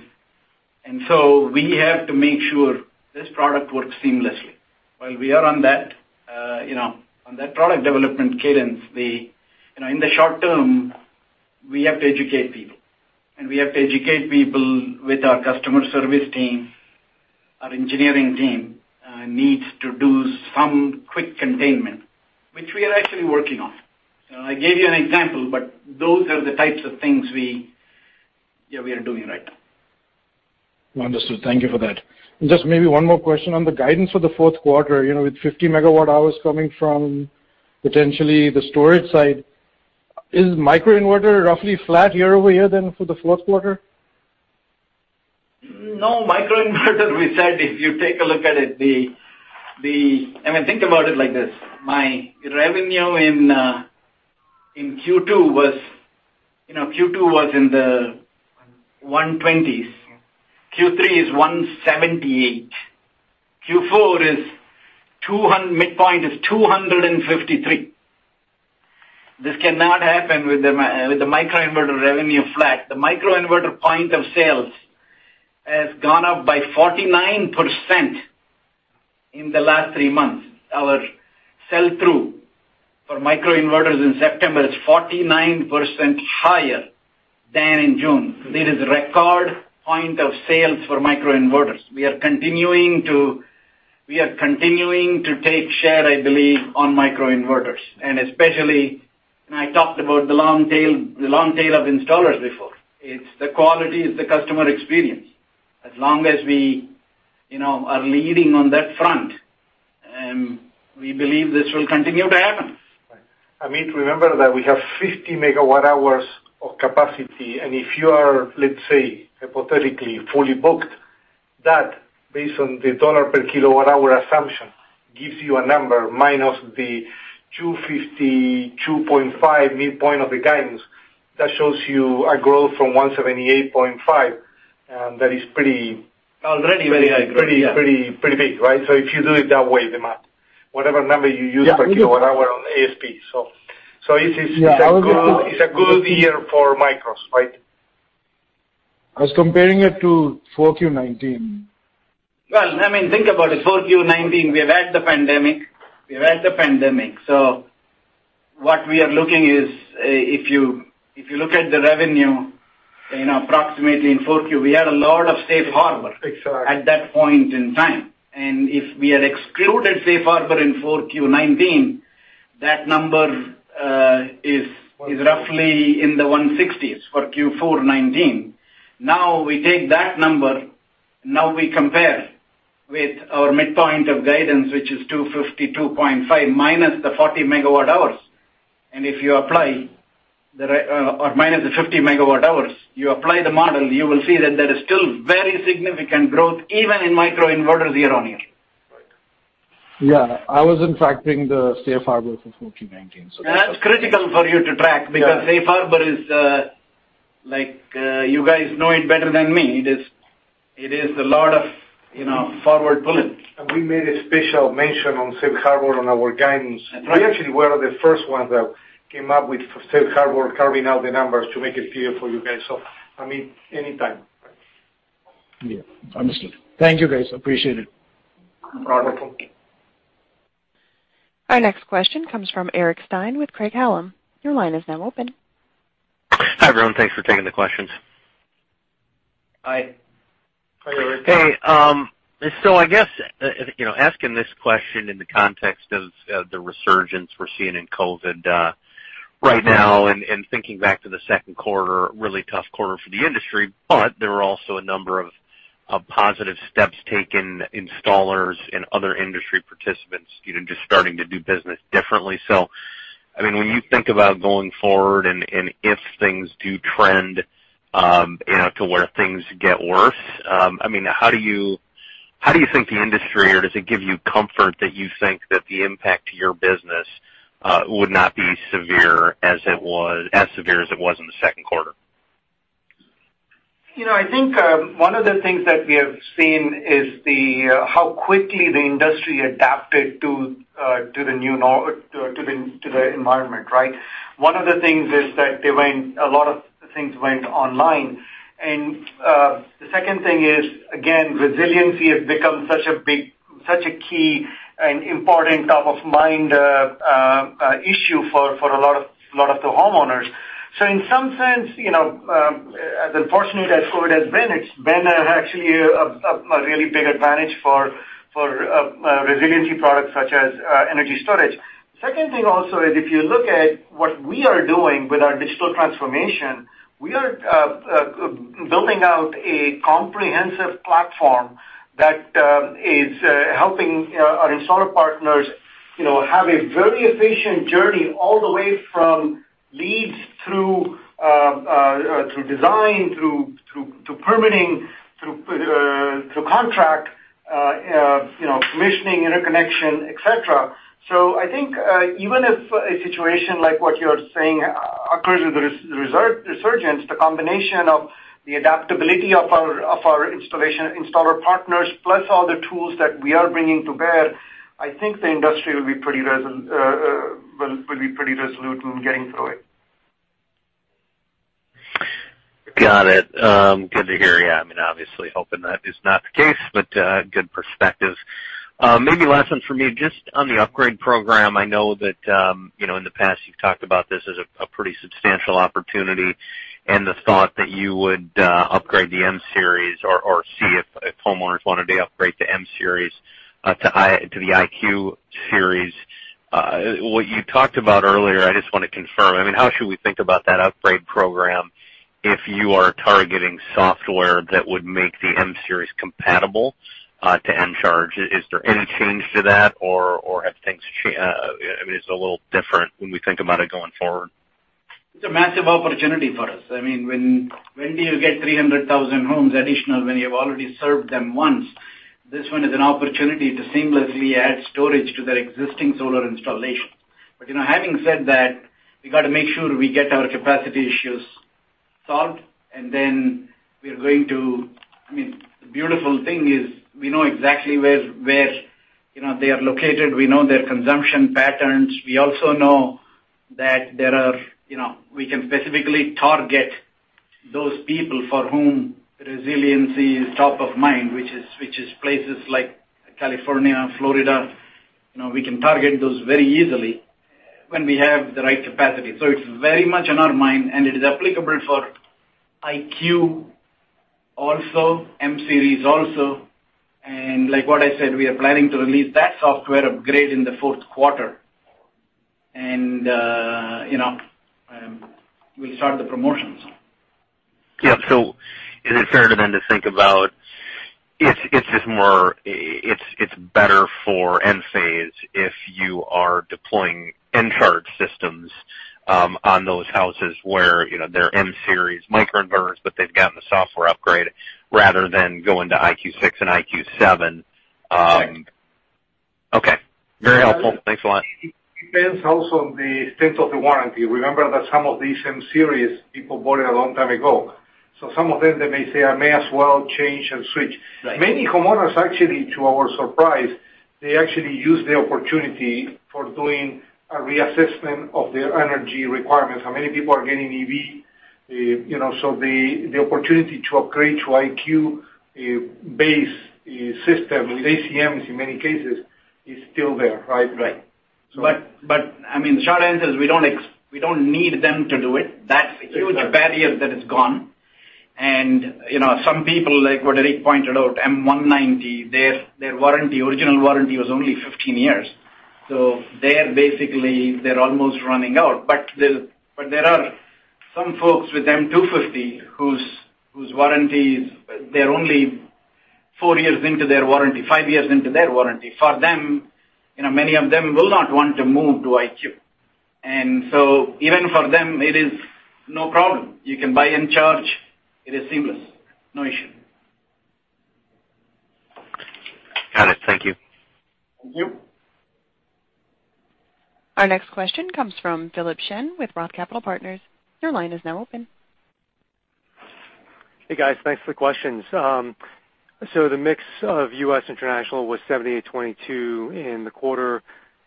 We have to make sure this product works seamlessly. While we are on that product development cadence, in the short term, we have to educate people. We have to educate people with our customer service team. Our engineering team needs to do some quick containment, which we are actually working on. I gave you an example, but those are the types of things we are doing right now. Understood. Thank you for that. Just maybe one more question on the guidance for the fourth quarter, with 50 MWh coming from potentially the storage side. Is microinverter roughly flat year-over-year, then, for the fourth quarter? No. microinverter, we said, if you take a look at it. Think about it like this. My revenue in Q2 was in the 120s. Q3 is $178. Q4, midpoint is $253. This cannot happen with the microinverter revenue flat. The microinverter point of sales has gone up by 49% in the last three months. Our sell-through for microinverters in September is 49% higher than in June. This is a record point of sales for microinverters. We are continuing to take share, I believe, on microinverters. Especially, and I talked about the long tail of installers before. It's the quality, it's the customer experience. As long as we are leading on that front, we believe this will continue to happen. Amit, remember that we have 50 MWh of capacity, and if you are, let's say, hypothetically, fully booked, that, based on the $ per kilowatt-hour assumption, gives you a number, minus the $252.5 midpoint of the guidance. That shows you a growth from $178.5, that is pretty. Already very high growth, yeah. pretty big, right? If you do it that way, the math. Whatever number you use- Yeah. per kilowatt-hour on ASP. Yeah. It's a good year for micros, right? I was comparing it to 4Q 2019. Well, think about it. 4Q 2019, we're at the pandemic. What we are looking is, if you look at the revenue, approximately in 4Q, we had a lot of safe harbor- Exactly. at that point in time. If we had excluded safe harbor in 4Q 2019, that number is roughly in the 160s for Q4 2019. Now we take that number, now we compare with our midpoint of guidance, which is 252.5, minus the 40 MWh. If you apply, or minus the 50 megawatt-hours, you apply the model, you will see that there is still very significant growth even in microinverters year-over-year. Right. Yeah. I was, in fact, bringing the safe harbor for 4Q 2019, so. That's critical for you to track. Yeah. Safe harbor is, you guys know it better than me. It is a lot of forward pulling. We made a special mention on safe harbor on our guidance. Right. We actually were the first ones that came up with safe harbor, carving out the numbers to make it clear for you guys. Amit, anytime. Yeah. Understood. Thank you, guys. Appreciate it. No problem. Thank you. Our next question comes from Eric Stine with Craig-Hallum. Your line is now open. Hi, everyone. Thanks for taking the questions. Hi. Hi, Eric. Hey. I guess, asking this question in the context of the resurgence we're seeing in COVID right now, and thinking back to the second quarter, really tough quarter for the industry, there were also a number of positive steps taken, installers and other industry participants just starting to do business differently. When you think about going forward and if things do trend to where things get worse, how do you think the industry, or does it give you comfort that you think that the impact to your business would not be as severe as it was in the second quarter? I think one of the things that we have seen is how quickly the industry adapted to the new norm, to the environment, right? One of the things is that a lot of things went online. The second thing is, again, resiliency has become such a big, such a key and important top-of-mind issue for a lot of the homeowners. In some sense, as unfortunate as COVID has been, it's been actually a really big advantage for resiliency products such as energy storage. Second thing also is, if you look at what we are doing with our digital transformation, we are building out a comprehensive platform that is helping our installer partners have a very efficient journey all the way from leads through design, through permitting, through contract, commissioning, interconnection, et cetera. I think even if a situation like what you're saying occurs, with a resurgence, the combination of the adaptability of our installer partners, plus all the tools that we are bringing to bear, I think the industry will be pretty resolute in getting through it. Got it. Good to hear. Yeah. Obviously hoping that is not the case, but good perspective. Maybe last one from me, just on the upgrade program. I know that in the past, you've talked about this as a pretty substantial opportunity and the thought that you would upgrade the M Series or see if homeowners wanted to upgrade the M Series to the IQ Series. What you talked about earlier, I just want to confirm. How should we think about that upgrade program if you are targeting software that would make the M Series compatible to Encharge? Is there any change to that, or have things changed? I mean, is it a little different when we think about it going forward? It's a massive opportunity for us. When do you get 300,000 homes additional when you have already served them once? This one is an opportunity to seamlessly add storage to their existing solar installation. Having said that, we got to make sure we get our capacity issues solved, and then the beautiful thing is we know exactly where they are located. We know their consumption patterns. We also know that we can specifically target those people for whom resiliency is top of mind, which is places like California and Florida. We can target those very easily when we have the right capacity. It's very much on our mind, and it is applicable for IQ also, M Series also. Like what I said, we are planning to release that software upgrade in the fourth quarter. We'll start the promotions. Yeah. Is it fair, then, to think about it's better for Enphase if you are deploying Encharge systems on those houses where they're M Series microinverters, but they've gotten the software upgrade rather than going to IQ6 and IQ7? Yes. Okay. Very helpful. Thanks a lot. It depends also on the extent of the warranty. Remember that some of these M Series people bought a long time ago. Some of them, they may say, "I may as well change and switch." Right. Many homeowners actually, to our surprise, they actually use the opportunity for doing a reassessment of their energy requirements. Many people are getting EV, the opportunity to upgrade to IQ-based system with ACMs in many cases is still there, right? Right. The short answer is we don't need them to do it. That huge barrier, that is gone. Some people, like what Eric pointed out, M190, their original warranty was only 15 years. They're basically almost running out. There are some folks with M250 who, they're only four years into their warranty, five years into their warranty. For them, many of them will not want to move to IQ. Even for them, it is no problem. You can buy Encharge. It is seamless. No issue. Got it. Thank you. Thank you. Our next question comes from Philip Shen with Roth Capital Partners. Your line is now open. Hey, guys. Thanks for the questions. The mix of U.S. international was 78/22 in the quarter.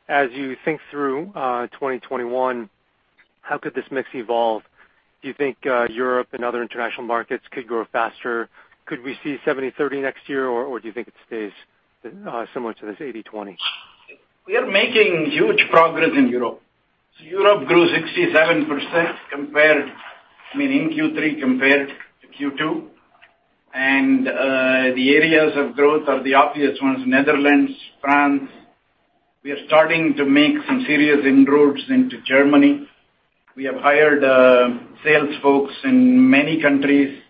As you think through 2021, how could this mix evolve? Do you think Europe and other international markets could grow faster? Could we see 70/30 next year, or do you think it stays similar to this 80/20? We are making huge progress in Europe. Europe grew 67% in Q3 compared to Q2. The areas of growth are the obvious ones, Netherlands, France. We are starting to make some serious inroads into Germany. We have hired sales folks in many countries.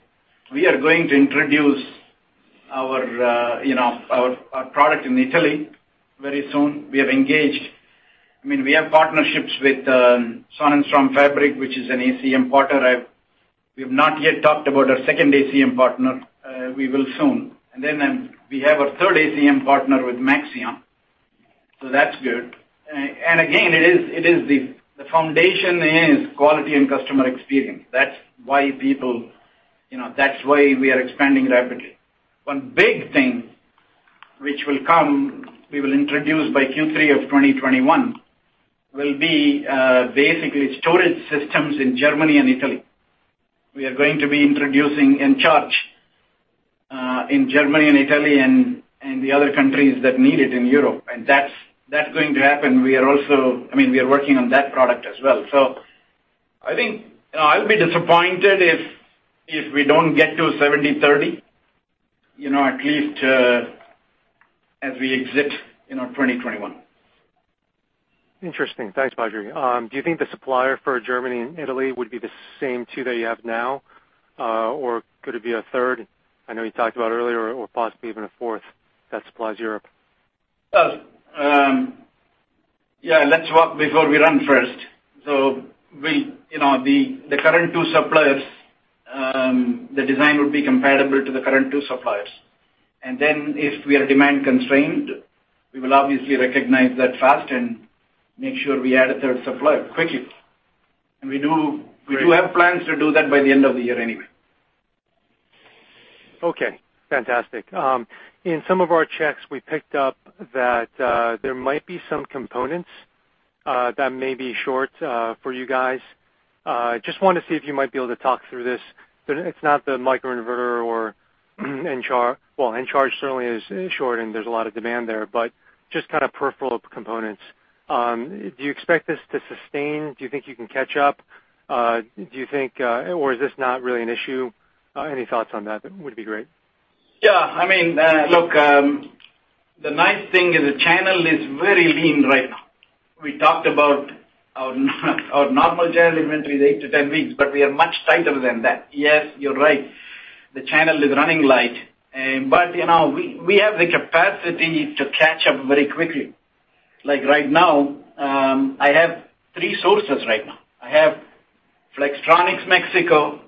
We are going to introduce our product in Italy very soon. We have partnerships with Sonnenstromfabrik, which is an ACM partner. We have not yet talked about our second ACM partner. We will soon. We have our third ACM partner with Maxeon, that's good. Again, the foundation is quality and customer experience. That's why we are expanding rapidly. One big thing which will come, we will introduce by Q3 of 2021, will be basically storage systems in Germany and Italy. We are going to be introducing Encharge in Germany and Italy and the other countries that need it in Europe. That's going to happen. We are working on that product as well. I think I'll be disappointed if we don't get to 70/30, at least as we exit in our 2021. Interesting. Thanks, Badri. Do you think the supplier for Germany and Italy would be the same two that you have now? Could it be a third, I know you talked about earlier, or possibly even a fourth that supplies Europe? Well. Yeah, let's walk before we run first. The design would be comparable to the current two suppliers. If we are demand-constrained, we will obviously recognize that fast and make sure we add a third supplier quickly. Great. We have plans to do that by the end of the year anyway. Okay. Fantastic. In some of our checks, we picked up that there might be some components that may be short for you guys. Just want to see if you might be able to talk through this. It's not the microinverter or Encharge. Well, Encharge certainly is short and there's a lot of demand there, but just kind of peripheral components. Do you expect this to sustain? Do you think you can catch up? Is this not really an issue? Any thoughts on that would be great. Yeah. Look, the nice thing is the channel is very lean right now. We talked about our normal channel inventory is 8-10 weeks, we are much tighter than that. Yes, you are right, the channel is running light. We have the capacity to catch up very quickly. Like right now, I have three sources right now. I have Flex, Mexico,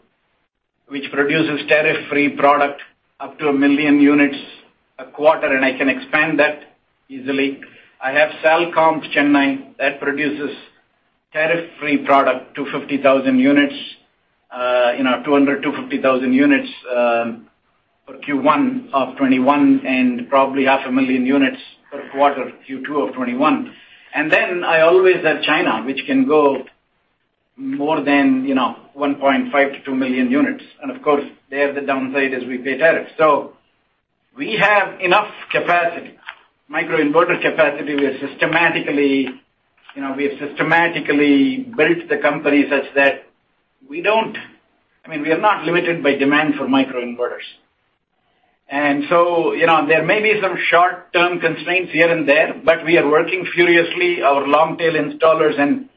which produces tariff-free product up to 1 million units a quarter, I can expand that easily. I have Salcomp, Chennai, that produces tariff-free product, 200,00-250,000 units for Q1 of 2021, probably 500,000 units per quarter, Q2 of 2021. I always have China, which can go more than 1.5 million-2 million units. Of course, there, the downside is we pay tariff. We have enough microinverter capacity. We have systematically built the company such that we are not limited by demand for microinverters. There may be some short-term constraints here and there. We are working furiously. Our long-tail installers and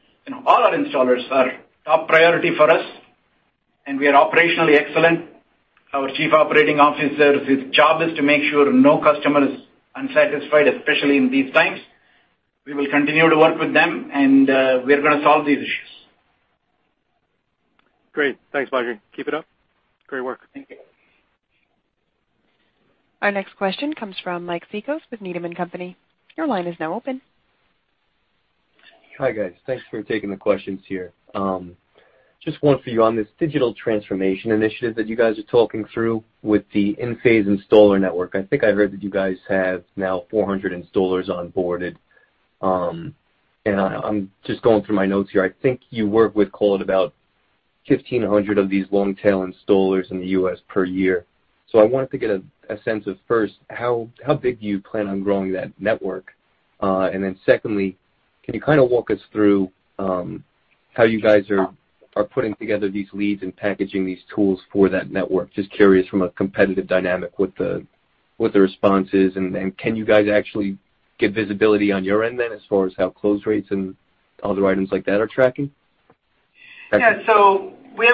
all our installers are top priority for us. We are operationally excellent. Our Chief Operating Officer's job is to make sure no customer is unsatisfied, especially in these times. We will continue to work with them. We are going to solve these issues. Great. Thanks, Badri. Keep it up. Great work. Thank you. Our next question comes from Mike Cikos with Needham & Company. Your line is now open. Hi, guys. Thanks for taking the questions here. Just one for you on this digital transformation initiative that you guys are talking through with the Enphase Installer Network. I think I heard that you guys have now 400 installers onboarded. I'm just going through my notes here. I think you work with, call it about 1,500 of these long-tail installers in the U.S. per year. I wanted to get a sense of, first, how big do you plan on growing that network? Secondly, can you kind of walk us through how you guys are putting together these leads and packaging these tools for that network? Just curious from a competitive dynamic, what the response is, and can you guys actually get visibility on your end then, as far as how close rates and other items like that are tracking? Yeah. We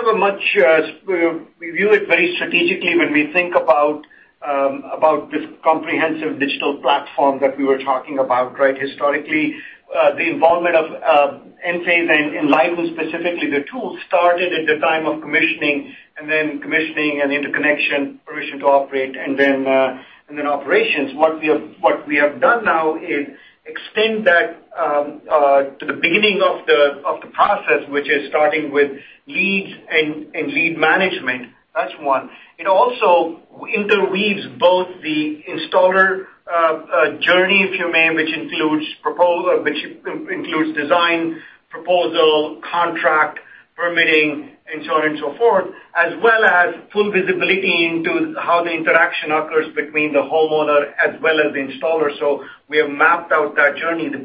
view it very strategically when we think about this comprehensive digital platform that we were talking about historically. The involvement of Enphase and Enlighten, specifically the tools, started at the time of commissioning, and then commissioning and interconnection, permission to operate, and then operations. What we have done now is extend that to the beginning of the process, which is starting with leads and lead management. That's one. It also interweaves both the installer journey, if you may, which includes design, proposal, contract, permitting, and so on and so forth, as well as full visibility into how the interaction occurs between the homeowner as well as the installer. We have mapped out that journey. To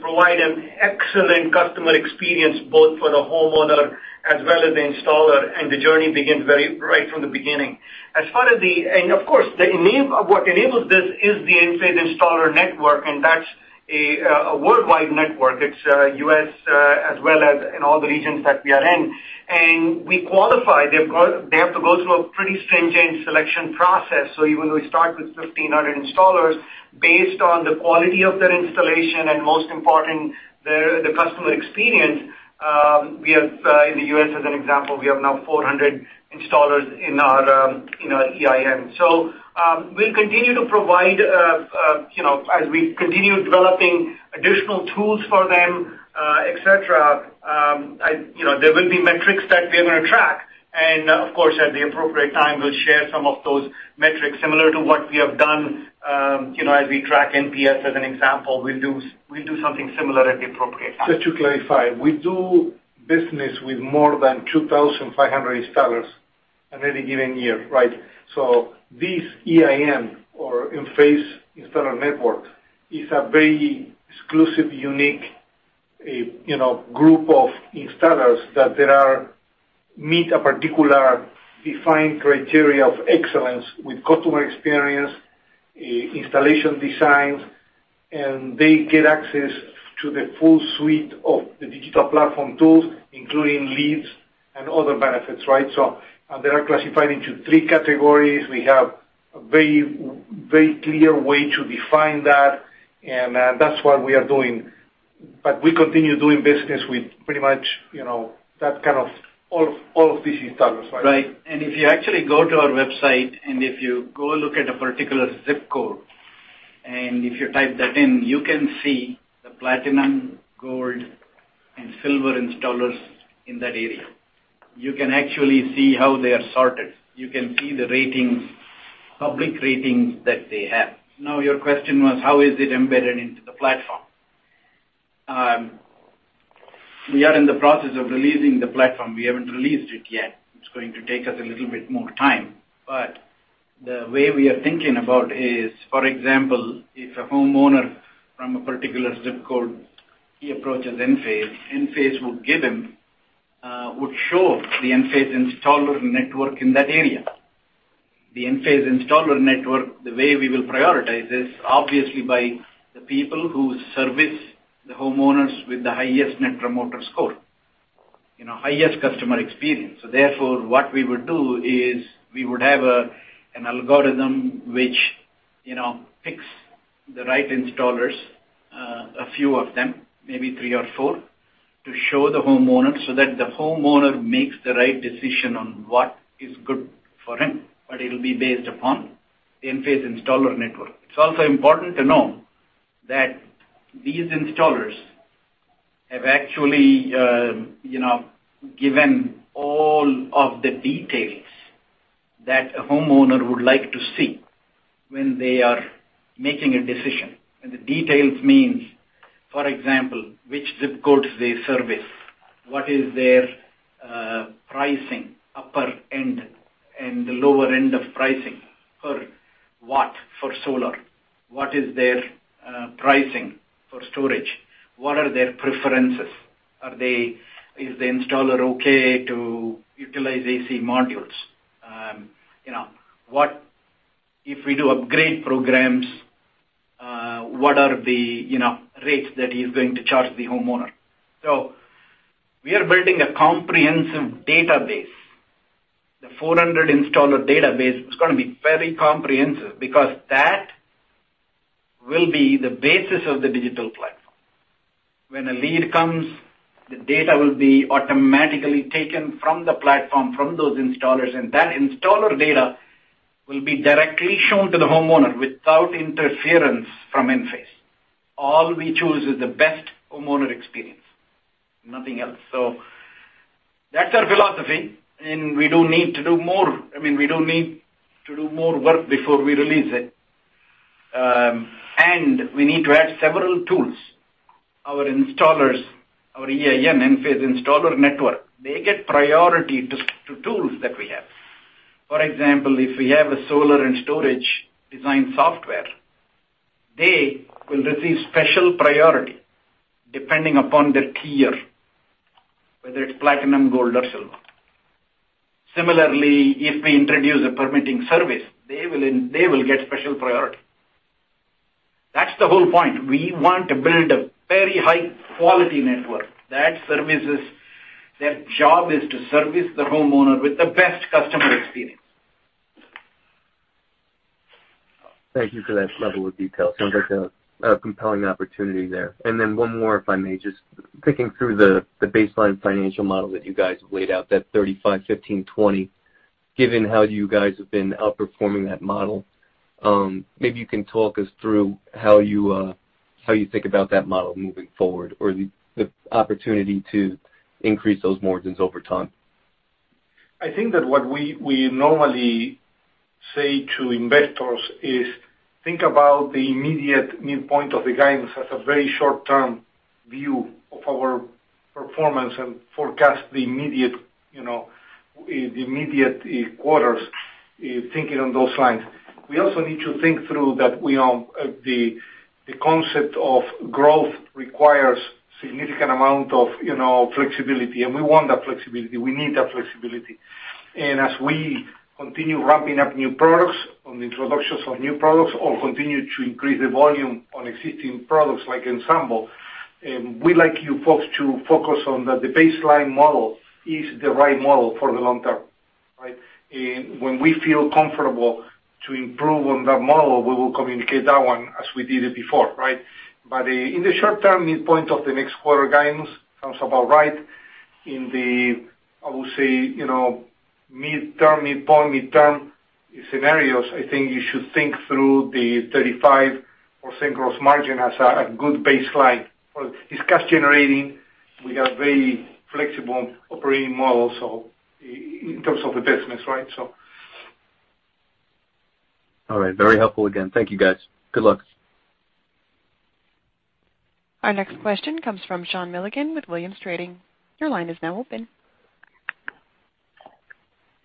provide an excellent customer experience, both for the homeowner as well as the installer, and the journey begins right from the beginning. Of course, what enables this is the Enphase Installer Network, and that's a worldwide network. It's U.S., as well as in all the regions that we are in. We qualify. They have to go through a pretty stringent selection process. Even though we start with 1,500 installers, based on the quality of their installation and most important, the customer experience, in the U.S., as an example, we have now 400 installers in our EIN. We'll continue to provide, as we continue developing additional tools for them, et cetera, there will be metrics that we're going to track. Of course, at the appropriate time, we'll share some of those metrics similar to what we have done as we track NPS, as an example. We'll do something similar at the appropriate time. Just to clarify, we do business with more than 2,500 installers at any given year. This EIN or Enphase Installer Network is a very exclusive, unique group of installers that meet a particular defined criteria of excellence with customer experience, installation designs, and they get access to the full suite of the digital platform tools, including leads and other benefits. They are classified into three categories. We have a very clear way to define that, and that's what we are doing. We continue doing business with pretty much all of these installers. Right. If you actually go to our website, and if you go look at a particular zip code, and if you type that in, you can see the platinum, gold, and silver installers in that area. You can actually see how they are sorted. You can see the public ratings that they have. Now, your question was, how is it embedded into the platform? We are in the process of releasing the platform. We haven't released it yet. It's going to take us a little bit more time. The way we are thinking about is, for example, if a homeowner from a particular zip code, he approaches Enphase would show the Enphase Installer Network in that area. The Enphase Installer Network, the way we will prioritize is obviously by the people who service the homeowners with the highest net promoter score, highest customer experience. Therefore, what we would do is we would have an algorithm which picks the right installers, a few of them, maybe three or four, to show the homeowner so that the homeowner makes the right decision on what is good for him. It will be based upon the Enphase Installer Network. It's also important to know that these installers have actually given all of the details that a homeowner would like to see when they are making a decision. The details means, for example, which zip codes they service, what is their pricing upper end and the lower end of pricing per watt for solar. What is their pricing for storage? What are their preferences? Is the installer okay to utilize AC Modules? If we do upgrade programs, what are the rates that he's going to charge the homeowner? We are building a comprehensive database. The 400 installer database is going to be very comprehensive because that will be the basis of the digital platform. When a lead comes, the data will be automatically taken from the platform, from those installers, and that installer data will be directly shown to the homeowner without interference from Enphase. All we choose is the best homeowner experience, nothing else. That's our philosophy, and we don't need to do more work before we release it. We need to add several tools. Our installers, our EIN, Enphase Installer Network, they get priority to tools that we have. For example, if we have a solar and storage design software, they will receive special priority depending upon their tier, whether it's platinum, gold, or silver. Similarly, if we introduce a permitting service, they will get special priority. That's the whole point. We want to build a very high-quality network. Their job is to service the homeowner with the best customer experience. Thank you for that level of detail. Sounds like a compelling opportunity there. One more, if I may. Just thinking through the baseline financial model that you guys have laid out, that 35/15/20. Given how you guys have been outperforming that model, maybe you can talk us through how you think about that model moving forward or the opportunity to increase those margins over time. I think that what we normally say to investors is think about the immediate midpoint of the guidance as a very short-term view of our performance and forecast in the immediate quarters, thinking on those lines. We also need to think through that the concept of growth requires significant amount of flexibility, and we want that flexibility. We need that flexibility. As we continue ramping up new products, on introductions of new products, or continue to increase the volume on existing products like Ensemble, we'd like you folks to focus on the baseline model is the right model for the long term, right? When we feel comfortable to improve on that model, we will communicate that one as we did it before, right? In the short term, midpoint of the next quarter guidance sounds about right. In the, I would say, midterm, midpoint, midterm scenarios, I think you should think through the 35% gross margin as a good baseline for cash generating. We are very flexible operating model, so in terms of the business, right? All right. Very helpful again. Thank you, guys. Good luck. Our next question comes from Sean Milligan with Williams Trading. Your line is now open.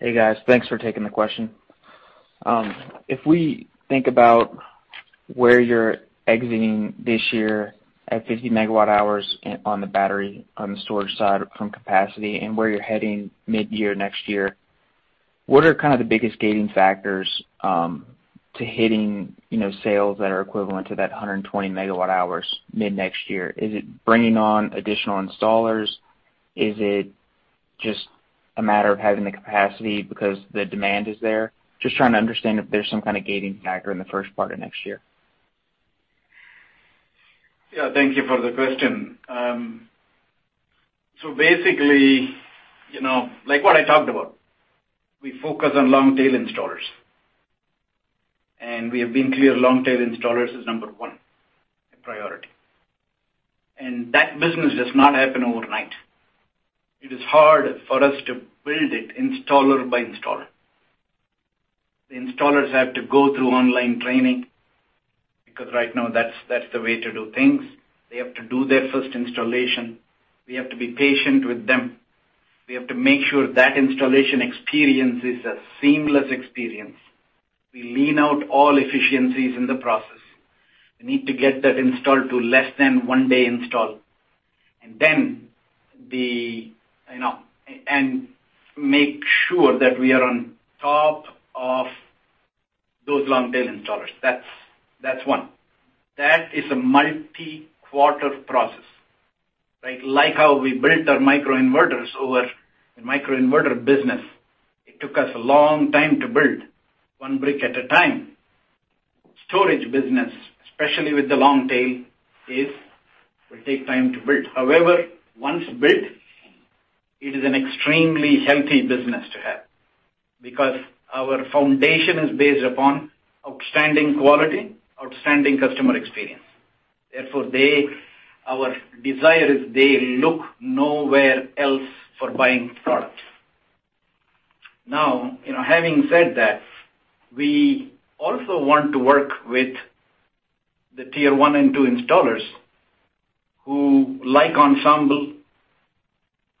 Hey, guys. Thanks for taking the question. If we think about where you're exiting this year at 50 MWh on the battery, on the storage side from capacity, and where you're heading mid-next year, what are kind of the biggest gating factors to hitting sales that are equivalent to that 120 MWh mid-next year? Is it bringing on additional installers? Is it just a matter of having the capacity because the demand is there? Just trying to understand if there's some kind of gating factor in the first part of next year. Yeah, thank you for the question. Basically, like what I talked about, we focus on long-tail installers. We have been clear, long-tail installers is number one priority. That business does not happen overnight. It is hard for us to build it installer by installer. The installers have to go through online training, because right now that's the way to do things. They have to do their first installation. We have to be patient with them. We have to make sure that installation experience is a seamless experience. We lean out all efficiencies in the process. We need to get that install to less than one-day install. Make sure that we are on top of those long-tail installers. That's one. That is a multi-quarter process. Like how we built our microinverters over the microinverter business. It took us a long time to build one brick at a time. Storage business, especially with the long tail, will take time to build. However, once built, it is an extremely healthy business to have because our foundation is based upon outstanding quality, outstanding customer experience. Therefore, our desire is they look nowhere else for buying products. Now, having said that, we also want to work with the tier 1 and 2 installers who like Ensemble,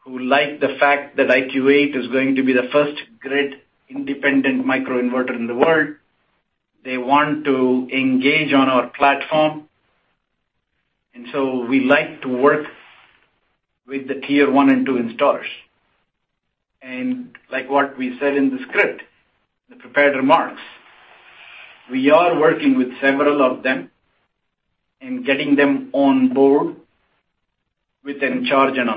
who like the fact that IQ8 is going to be the first grid-independent microinverter in the world. They want to engage on our platform. We like to work with the tier 1 and 2 installers. Like what we said in the script, the prepared remarks, we are working with several of them and getting them on board with Encharge and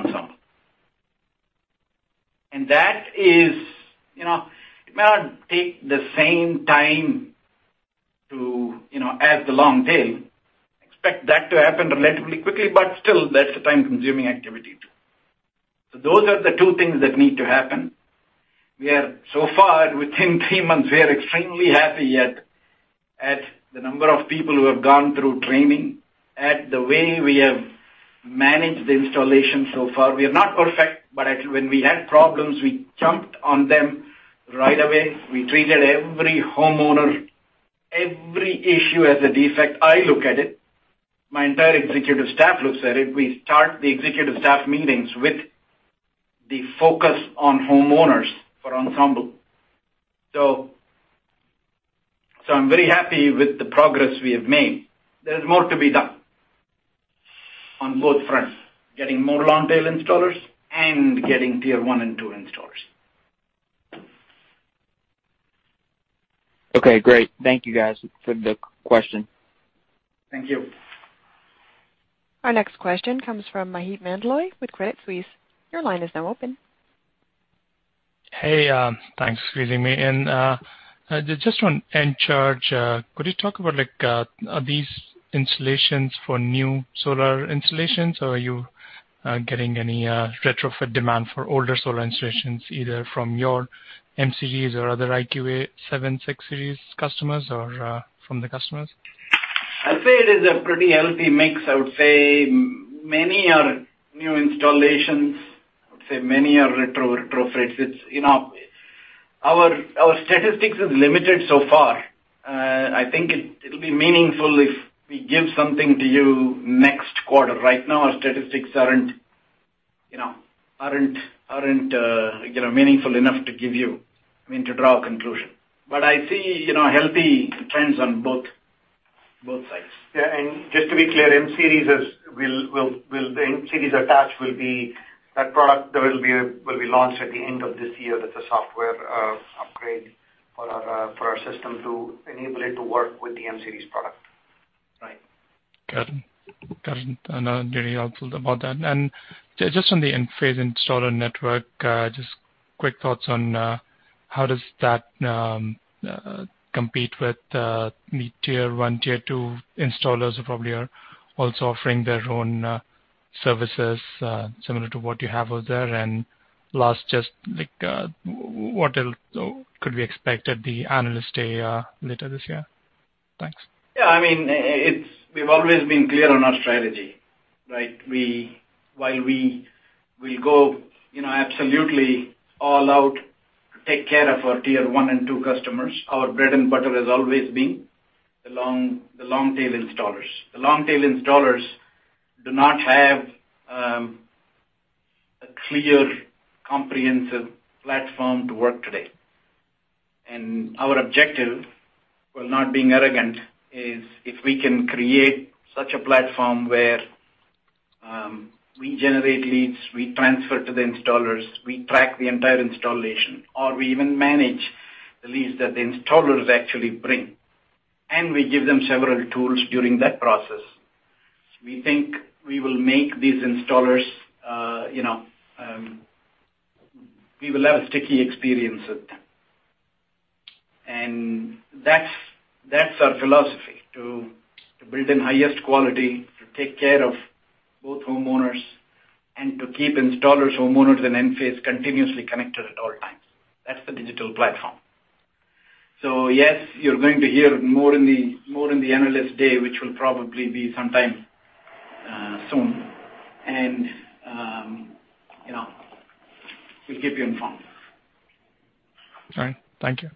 Ensemble. It may not take the same time to as the long tail. Expect that to happen relatively quickly, but still that's a time-consuming activity too. Those are the two things that need to happen. So far, within three months, we are extremely happy at the number of people who have gone through training, at the way we have managed the installation so far. We are not perfect, but when we had problems, we jumped on them right away. We treated every homeowner, every issue as a defect. I look at it. My entire executive staff looks at it. We start the executive staff meetings with the focus on homeowners for Ensemble. I'm very happy with the progress we have made. There is more to be done on both fronts, getting more long-tail installers and getting tier 1 and 2 installers. Okay, great. Thank you guys for the question. Thank you. Our next question comes from Maheep Mandloi with Credit Suisse. Your line is now open. Hey, thanks for squeezing me in. Just on Encharge, could you talk about, like, are these installations for new solar installations, or are you getting any retrofit demand for older solar installations, either from your M Series or other IQ8, IQ7, IQ6 series customers or from the customers? I'd say it is a pretty healthy mix. I would say many are new installations. I would say many are retrofits. Our statistics is limited so far. I think it'll be meaningful if we give something to you next quarter. Right now, our statistics aren't meaningful enough to give you, I mean, to draw a conclusion. I see healthy trends on both sides. Yeah. Just to be clear, M-series attached will be that product that will be launched at the end of this year. That's a software upgrade for our system to enable it to work with the M-series product. Right. Got it. Very helpful about that. Just on the Enphase Installer Network, just quick thoughts on how does that compete with the tier 1, tier 2 installers who probably are also offering their own services, similar to what you have over there. Last, just what could we expect at the analyst day later this year? Thanks. Yeah, we've always been clear on our strategy, right? While we go absolutely all out to take care of our tier 1 and 2 customers, our bread and butter has always been the long-tail installers. The long-tail installers do not have a clear, comprehensive platform to work today. Our objective, while not being arrogant, is if we can create such a platform where we generate leads, we transfer to the installers, we track the entire installation, or we even manage the leads that the installers actually bring. We give them several tools during that process. We think we will make these installers, we will have a sticky experience with them. That's our philosophy, to build in highest quality, to take care of both homeowners, and to keep installers, homeowners, and Enphase continuously connected at all times. That's the digital platform. Yes, you're going to hear more in the Analyst Day, which will probably be sometime soon. We'll keep you informed. All right. Thank you.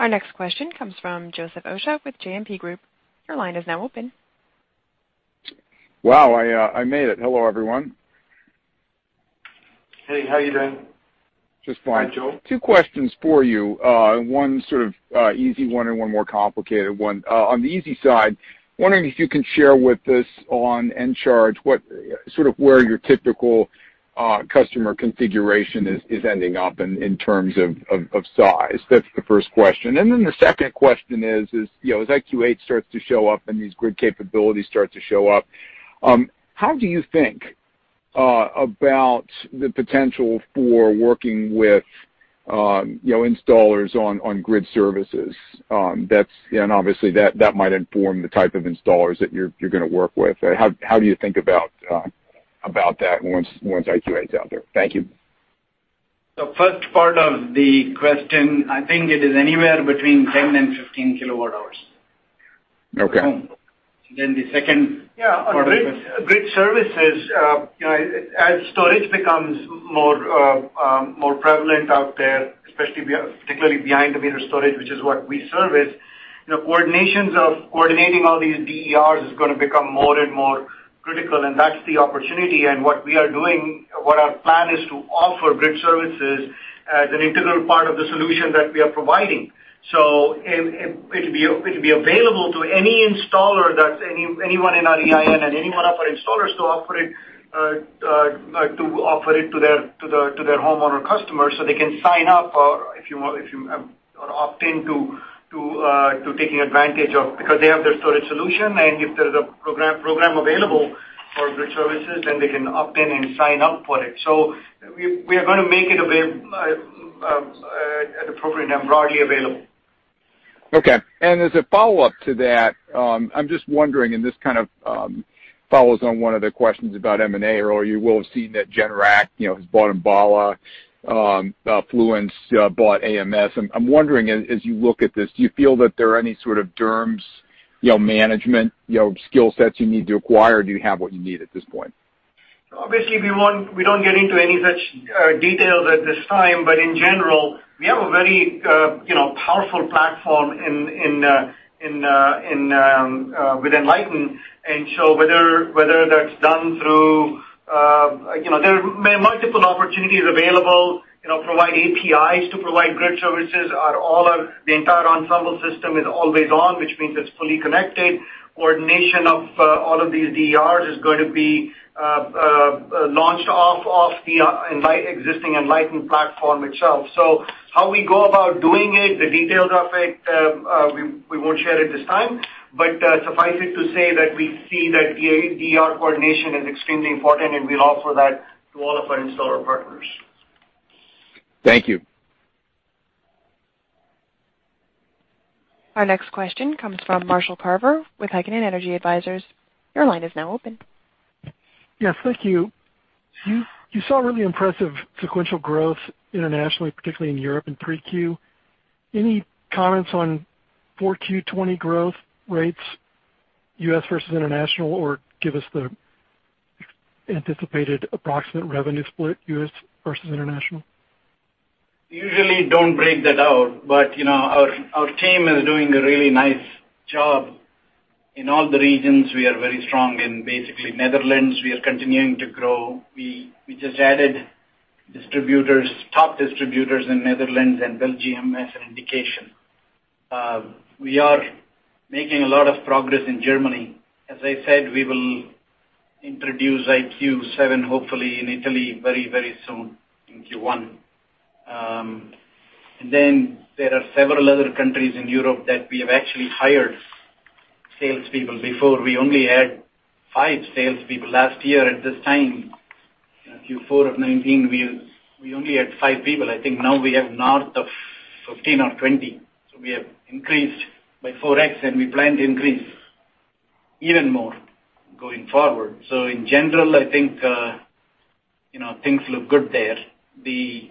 Our next question comes from Joseph Osha with JMP Group. Your line is now open. Wow, I made it. Hello, everyone. Hey, how you doing? Just fine. Hi, Joe. Two questions for you. One sort of easy one and one more complicated one. On the easy side, wondering if you can share with us on Encharge, sort of where your typical customer configuration is ending up in terms of size. That's the first question. The second question is, as IQ8 starts to show up and these grid capabilities start to show up, how do you think about the potential for working with installers on grid services? Obviously that might inform the type of installers that you're going to work with. How do you think about that once IQ8's out there? Thank you. The first part of the question, I think it is anywhere between 10 kWh and 15 kWh. Okay. And then the second part of the- Yeah, on grid services, as storage becomes more prevalent out there, especially particularly behind the meter storage, which is what we service, coordinations of coordinating all these DERs is going to become more and more critical, and that's the opportunity. What we are doing, what our plan is to offer grid services as an integral part of the solution that we are providing. It'll be available to any installer, anyone in our EIN and any one of our installers to offer it to their homeowner customers, so they can sign up or opt in to taking advantage of, because they have their storage solution. If there's a program available for grid services, then they can opt in and sign up for it. We are going to make it appropriate and broadly available. Okay. As a follow-up to that, I'm just wondering, and this kind of follows on one of the questions about M&A, or you will have seen that Generac has bought Enbala, Fluence bought AMS. I'm wondering, as you look at this, do you feel that there are any sort of DERMS management skill sets you need to acquire? Do you have what you need at this point? Obviously, we don't get into any such details at this time. In general, we have a very powerful platform with Enlighten. Whether that's done, there are multiple opportunities available, provide APIs to provide grid services. The entire Ensemble system is always on, which means it's fully connected. Coordination of all of these DERs is going to be launched off of the existing Enlighten platform itself. How we go about doing it, the details of it, we won't share it this time. Suffice it to say that we see that DER coordination is extremely important, and we'll offer that to all of our installer partners. Thank you. Our next question comes from Marshall Carver with Heikkinen Energy Advisors. Your line is now open. Yes, thank you. You saw really impressive sequential growth internationally, particularly in Europe in 3Q. Any comments on 4Q 2020 growth rates, U.S. versus international? Or give us the anticipated approximate revenue split, U.S. versus international? Usually don't break that out, but our team is doing a really nice job. In all the regions, we are very strong. In Netherlands, we are continuing to grow. We just added top distributors in Netherlands and Belgium as an indication. We are making a lot of progress in Germany. As I said, we will introduce IQ7, hopefully in Italy very, very soon, in Q1. There are several other countries in Europe that we have actually hired salespeople. Before, we only had five salespeople. Last year at this time, in Q4 of 2019, we only had five people. I think now we have north of 15 or 20. We have increased by 4x, and we plan to increase even more going forward. In general, I think, things look good there. The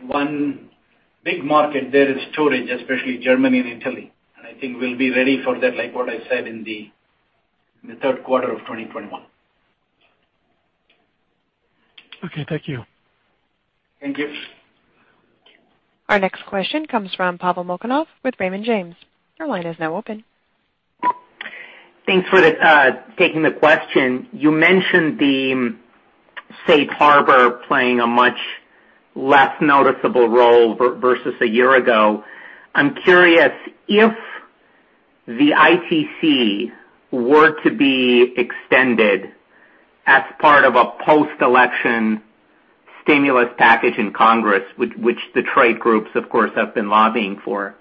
one big market there is storage, especially Germany and Italy. I think we'll be ready for that, like what I said, in the third quarter of 2021. Okay, thank you. Thank you. Our next question comes from Pavel Molchanov with Raymond James. Your line is now open. Thanks for taking the question. You mentioned the safe harbor playing a much less noticeable role versus a year ago. I am curious, if the ITC were to be extended as part of a post-election stimulus package in Congress, which the trade groups, of course, have been lobbying for,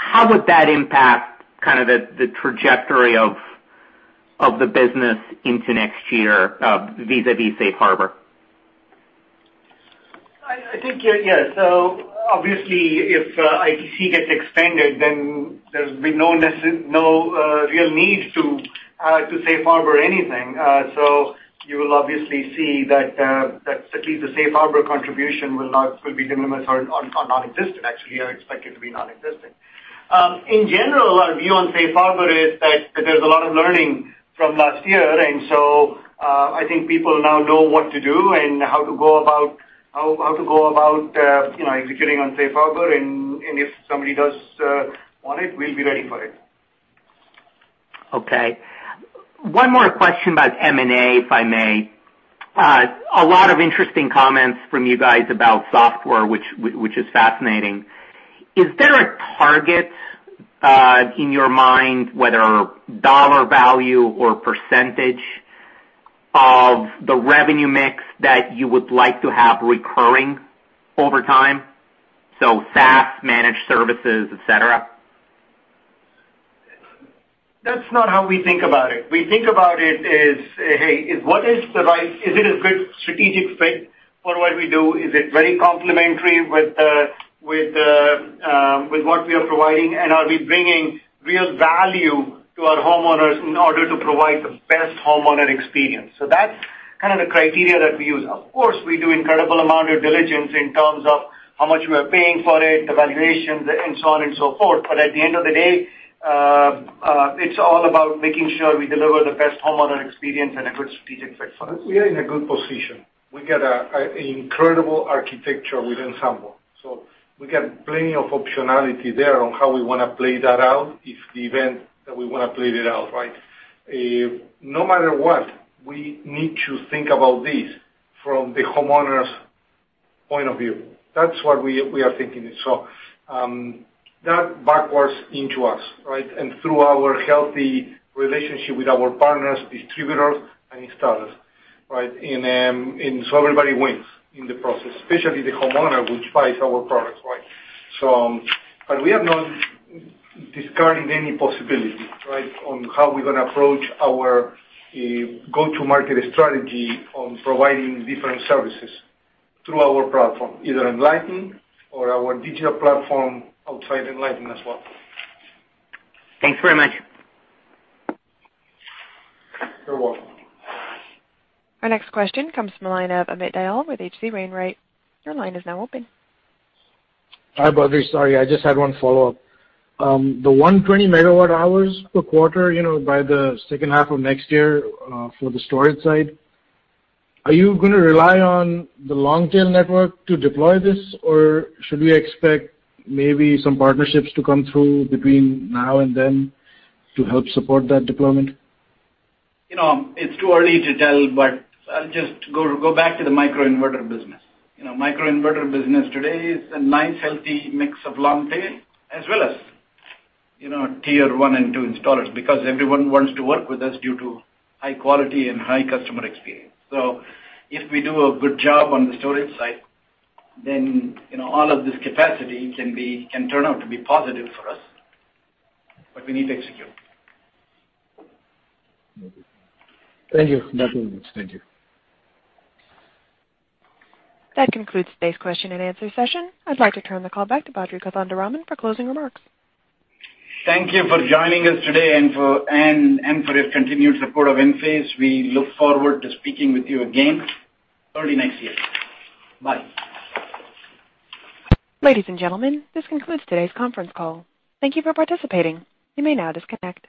how would that impact kind of the trajectory of the business into next year, vis-à-vis safe harbor? I think, yeah. Obviously, if ITC gets extended, then there's been no real need to safe harbor anything. You will obviously see that at least the safe harbor contribution will be diminished or nonexistent, actually. I expect it to be nonexistent. In general, our view on safe harbor is that there's a lot of learning from last year, and so, I think people now know what to do and how to go about executing on safe harbor. If somebody does want it, we'll be ready for it. Okay. One more question about M&A, if I may. A lot of interesting comments from you guys about software, which is fascinating. Is there a target in your mind, whether dollar value or percentage, of the revenue mix that you would like to have recurring over time? SaaS, managed services, et cetera. That's not how we think about it. We think about it as, hey, is it a good strategic fit for what we do? Is it very complementary with what we are providing? Are we bringing real value to our homeowners in order to provide the best homeowner experience? That's kind of the criteria that we use. Of course, we do incredible amount of diligence in terms of how much we are paying for it, the valuations, and so on and so forth. At the end of the day, it's all about making sure we deliver the best homeowner experience and a good strategic fit for us. We are in a good position. We get an incredible architecture with Ensemble. We get plenty of optionality there on how we want to play that out if the event that we want to play it out, right? No matter what, we need to think about this from the homeowner's point of view. That's what we are thinking. That backwards into us, right? Through our healthy relationship with our partners, distributors, and installers, right? Everybody wins in the process, especially the homeowner who buys our products, right? We have not discarded any possibility, right, on how we're going to approach our go-to-market strategy on providing different services through our platform, either Enlighten or our digital platform outside Enlighten as well. Thanks very much. You're welcome. Our next question comes from the line of Amit Dayal with H.C. Wainwright. Your line is now open. Hi, Badri. Sorry, I just had one follow-up. The 120 MWh per quarter by the second half of next year for the storage side, are you going to rely on the long-tail network to deploy this, or should we expect maybe some partnerships to come through between now and then to help support that deployment? It's too early to tell, but I'll just go back to the microinverter business. Microinverter business today is a nice healthy mix of long tail as well as tier 1 and 2 installers because everyone wants to work with us due to high quality and high customer experience. If we do a good job on the storage side, all of this capacity can turn out to be positive for us, but we need to execute. Thank you. Nothing else. Thank you. That concludes today's question and answer session. I'd like to turn the call back to Badri Kothandaraman for closing remarks. Thank you for joining us today and for your continued support of Enphase. We look forward to speaking with you again early next year. Bye. Ladies and gentlemen, this concludes today's conference call. Thank you for participating. You may now disconnect.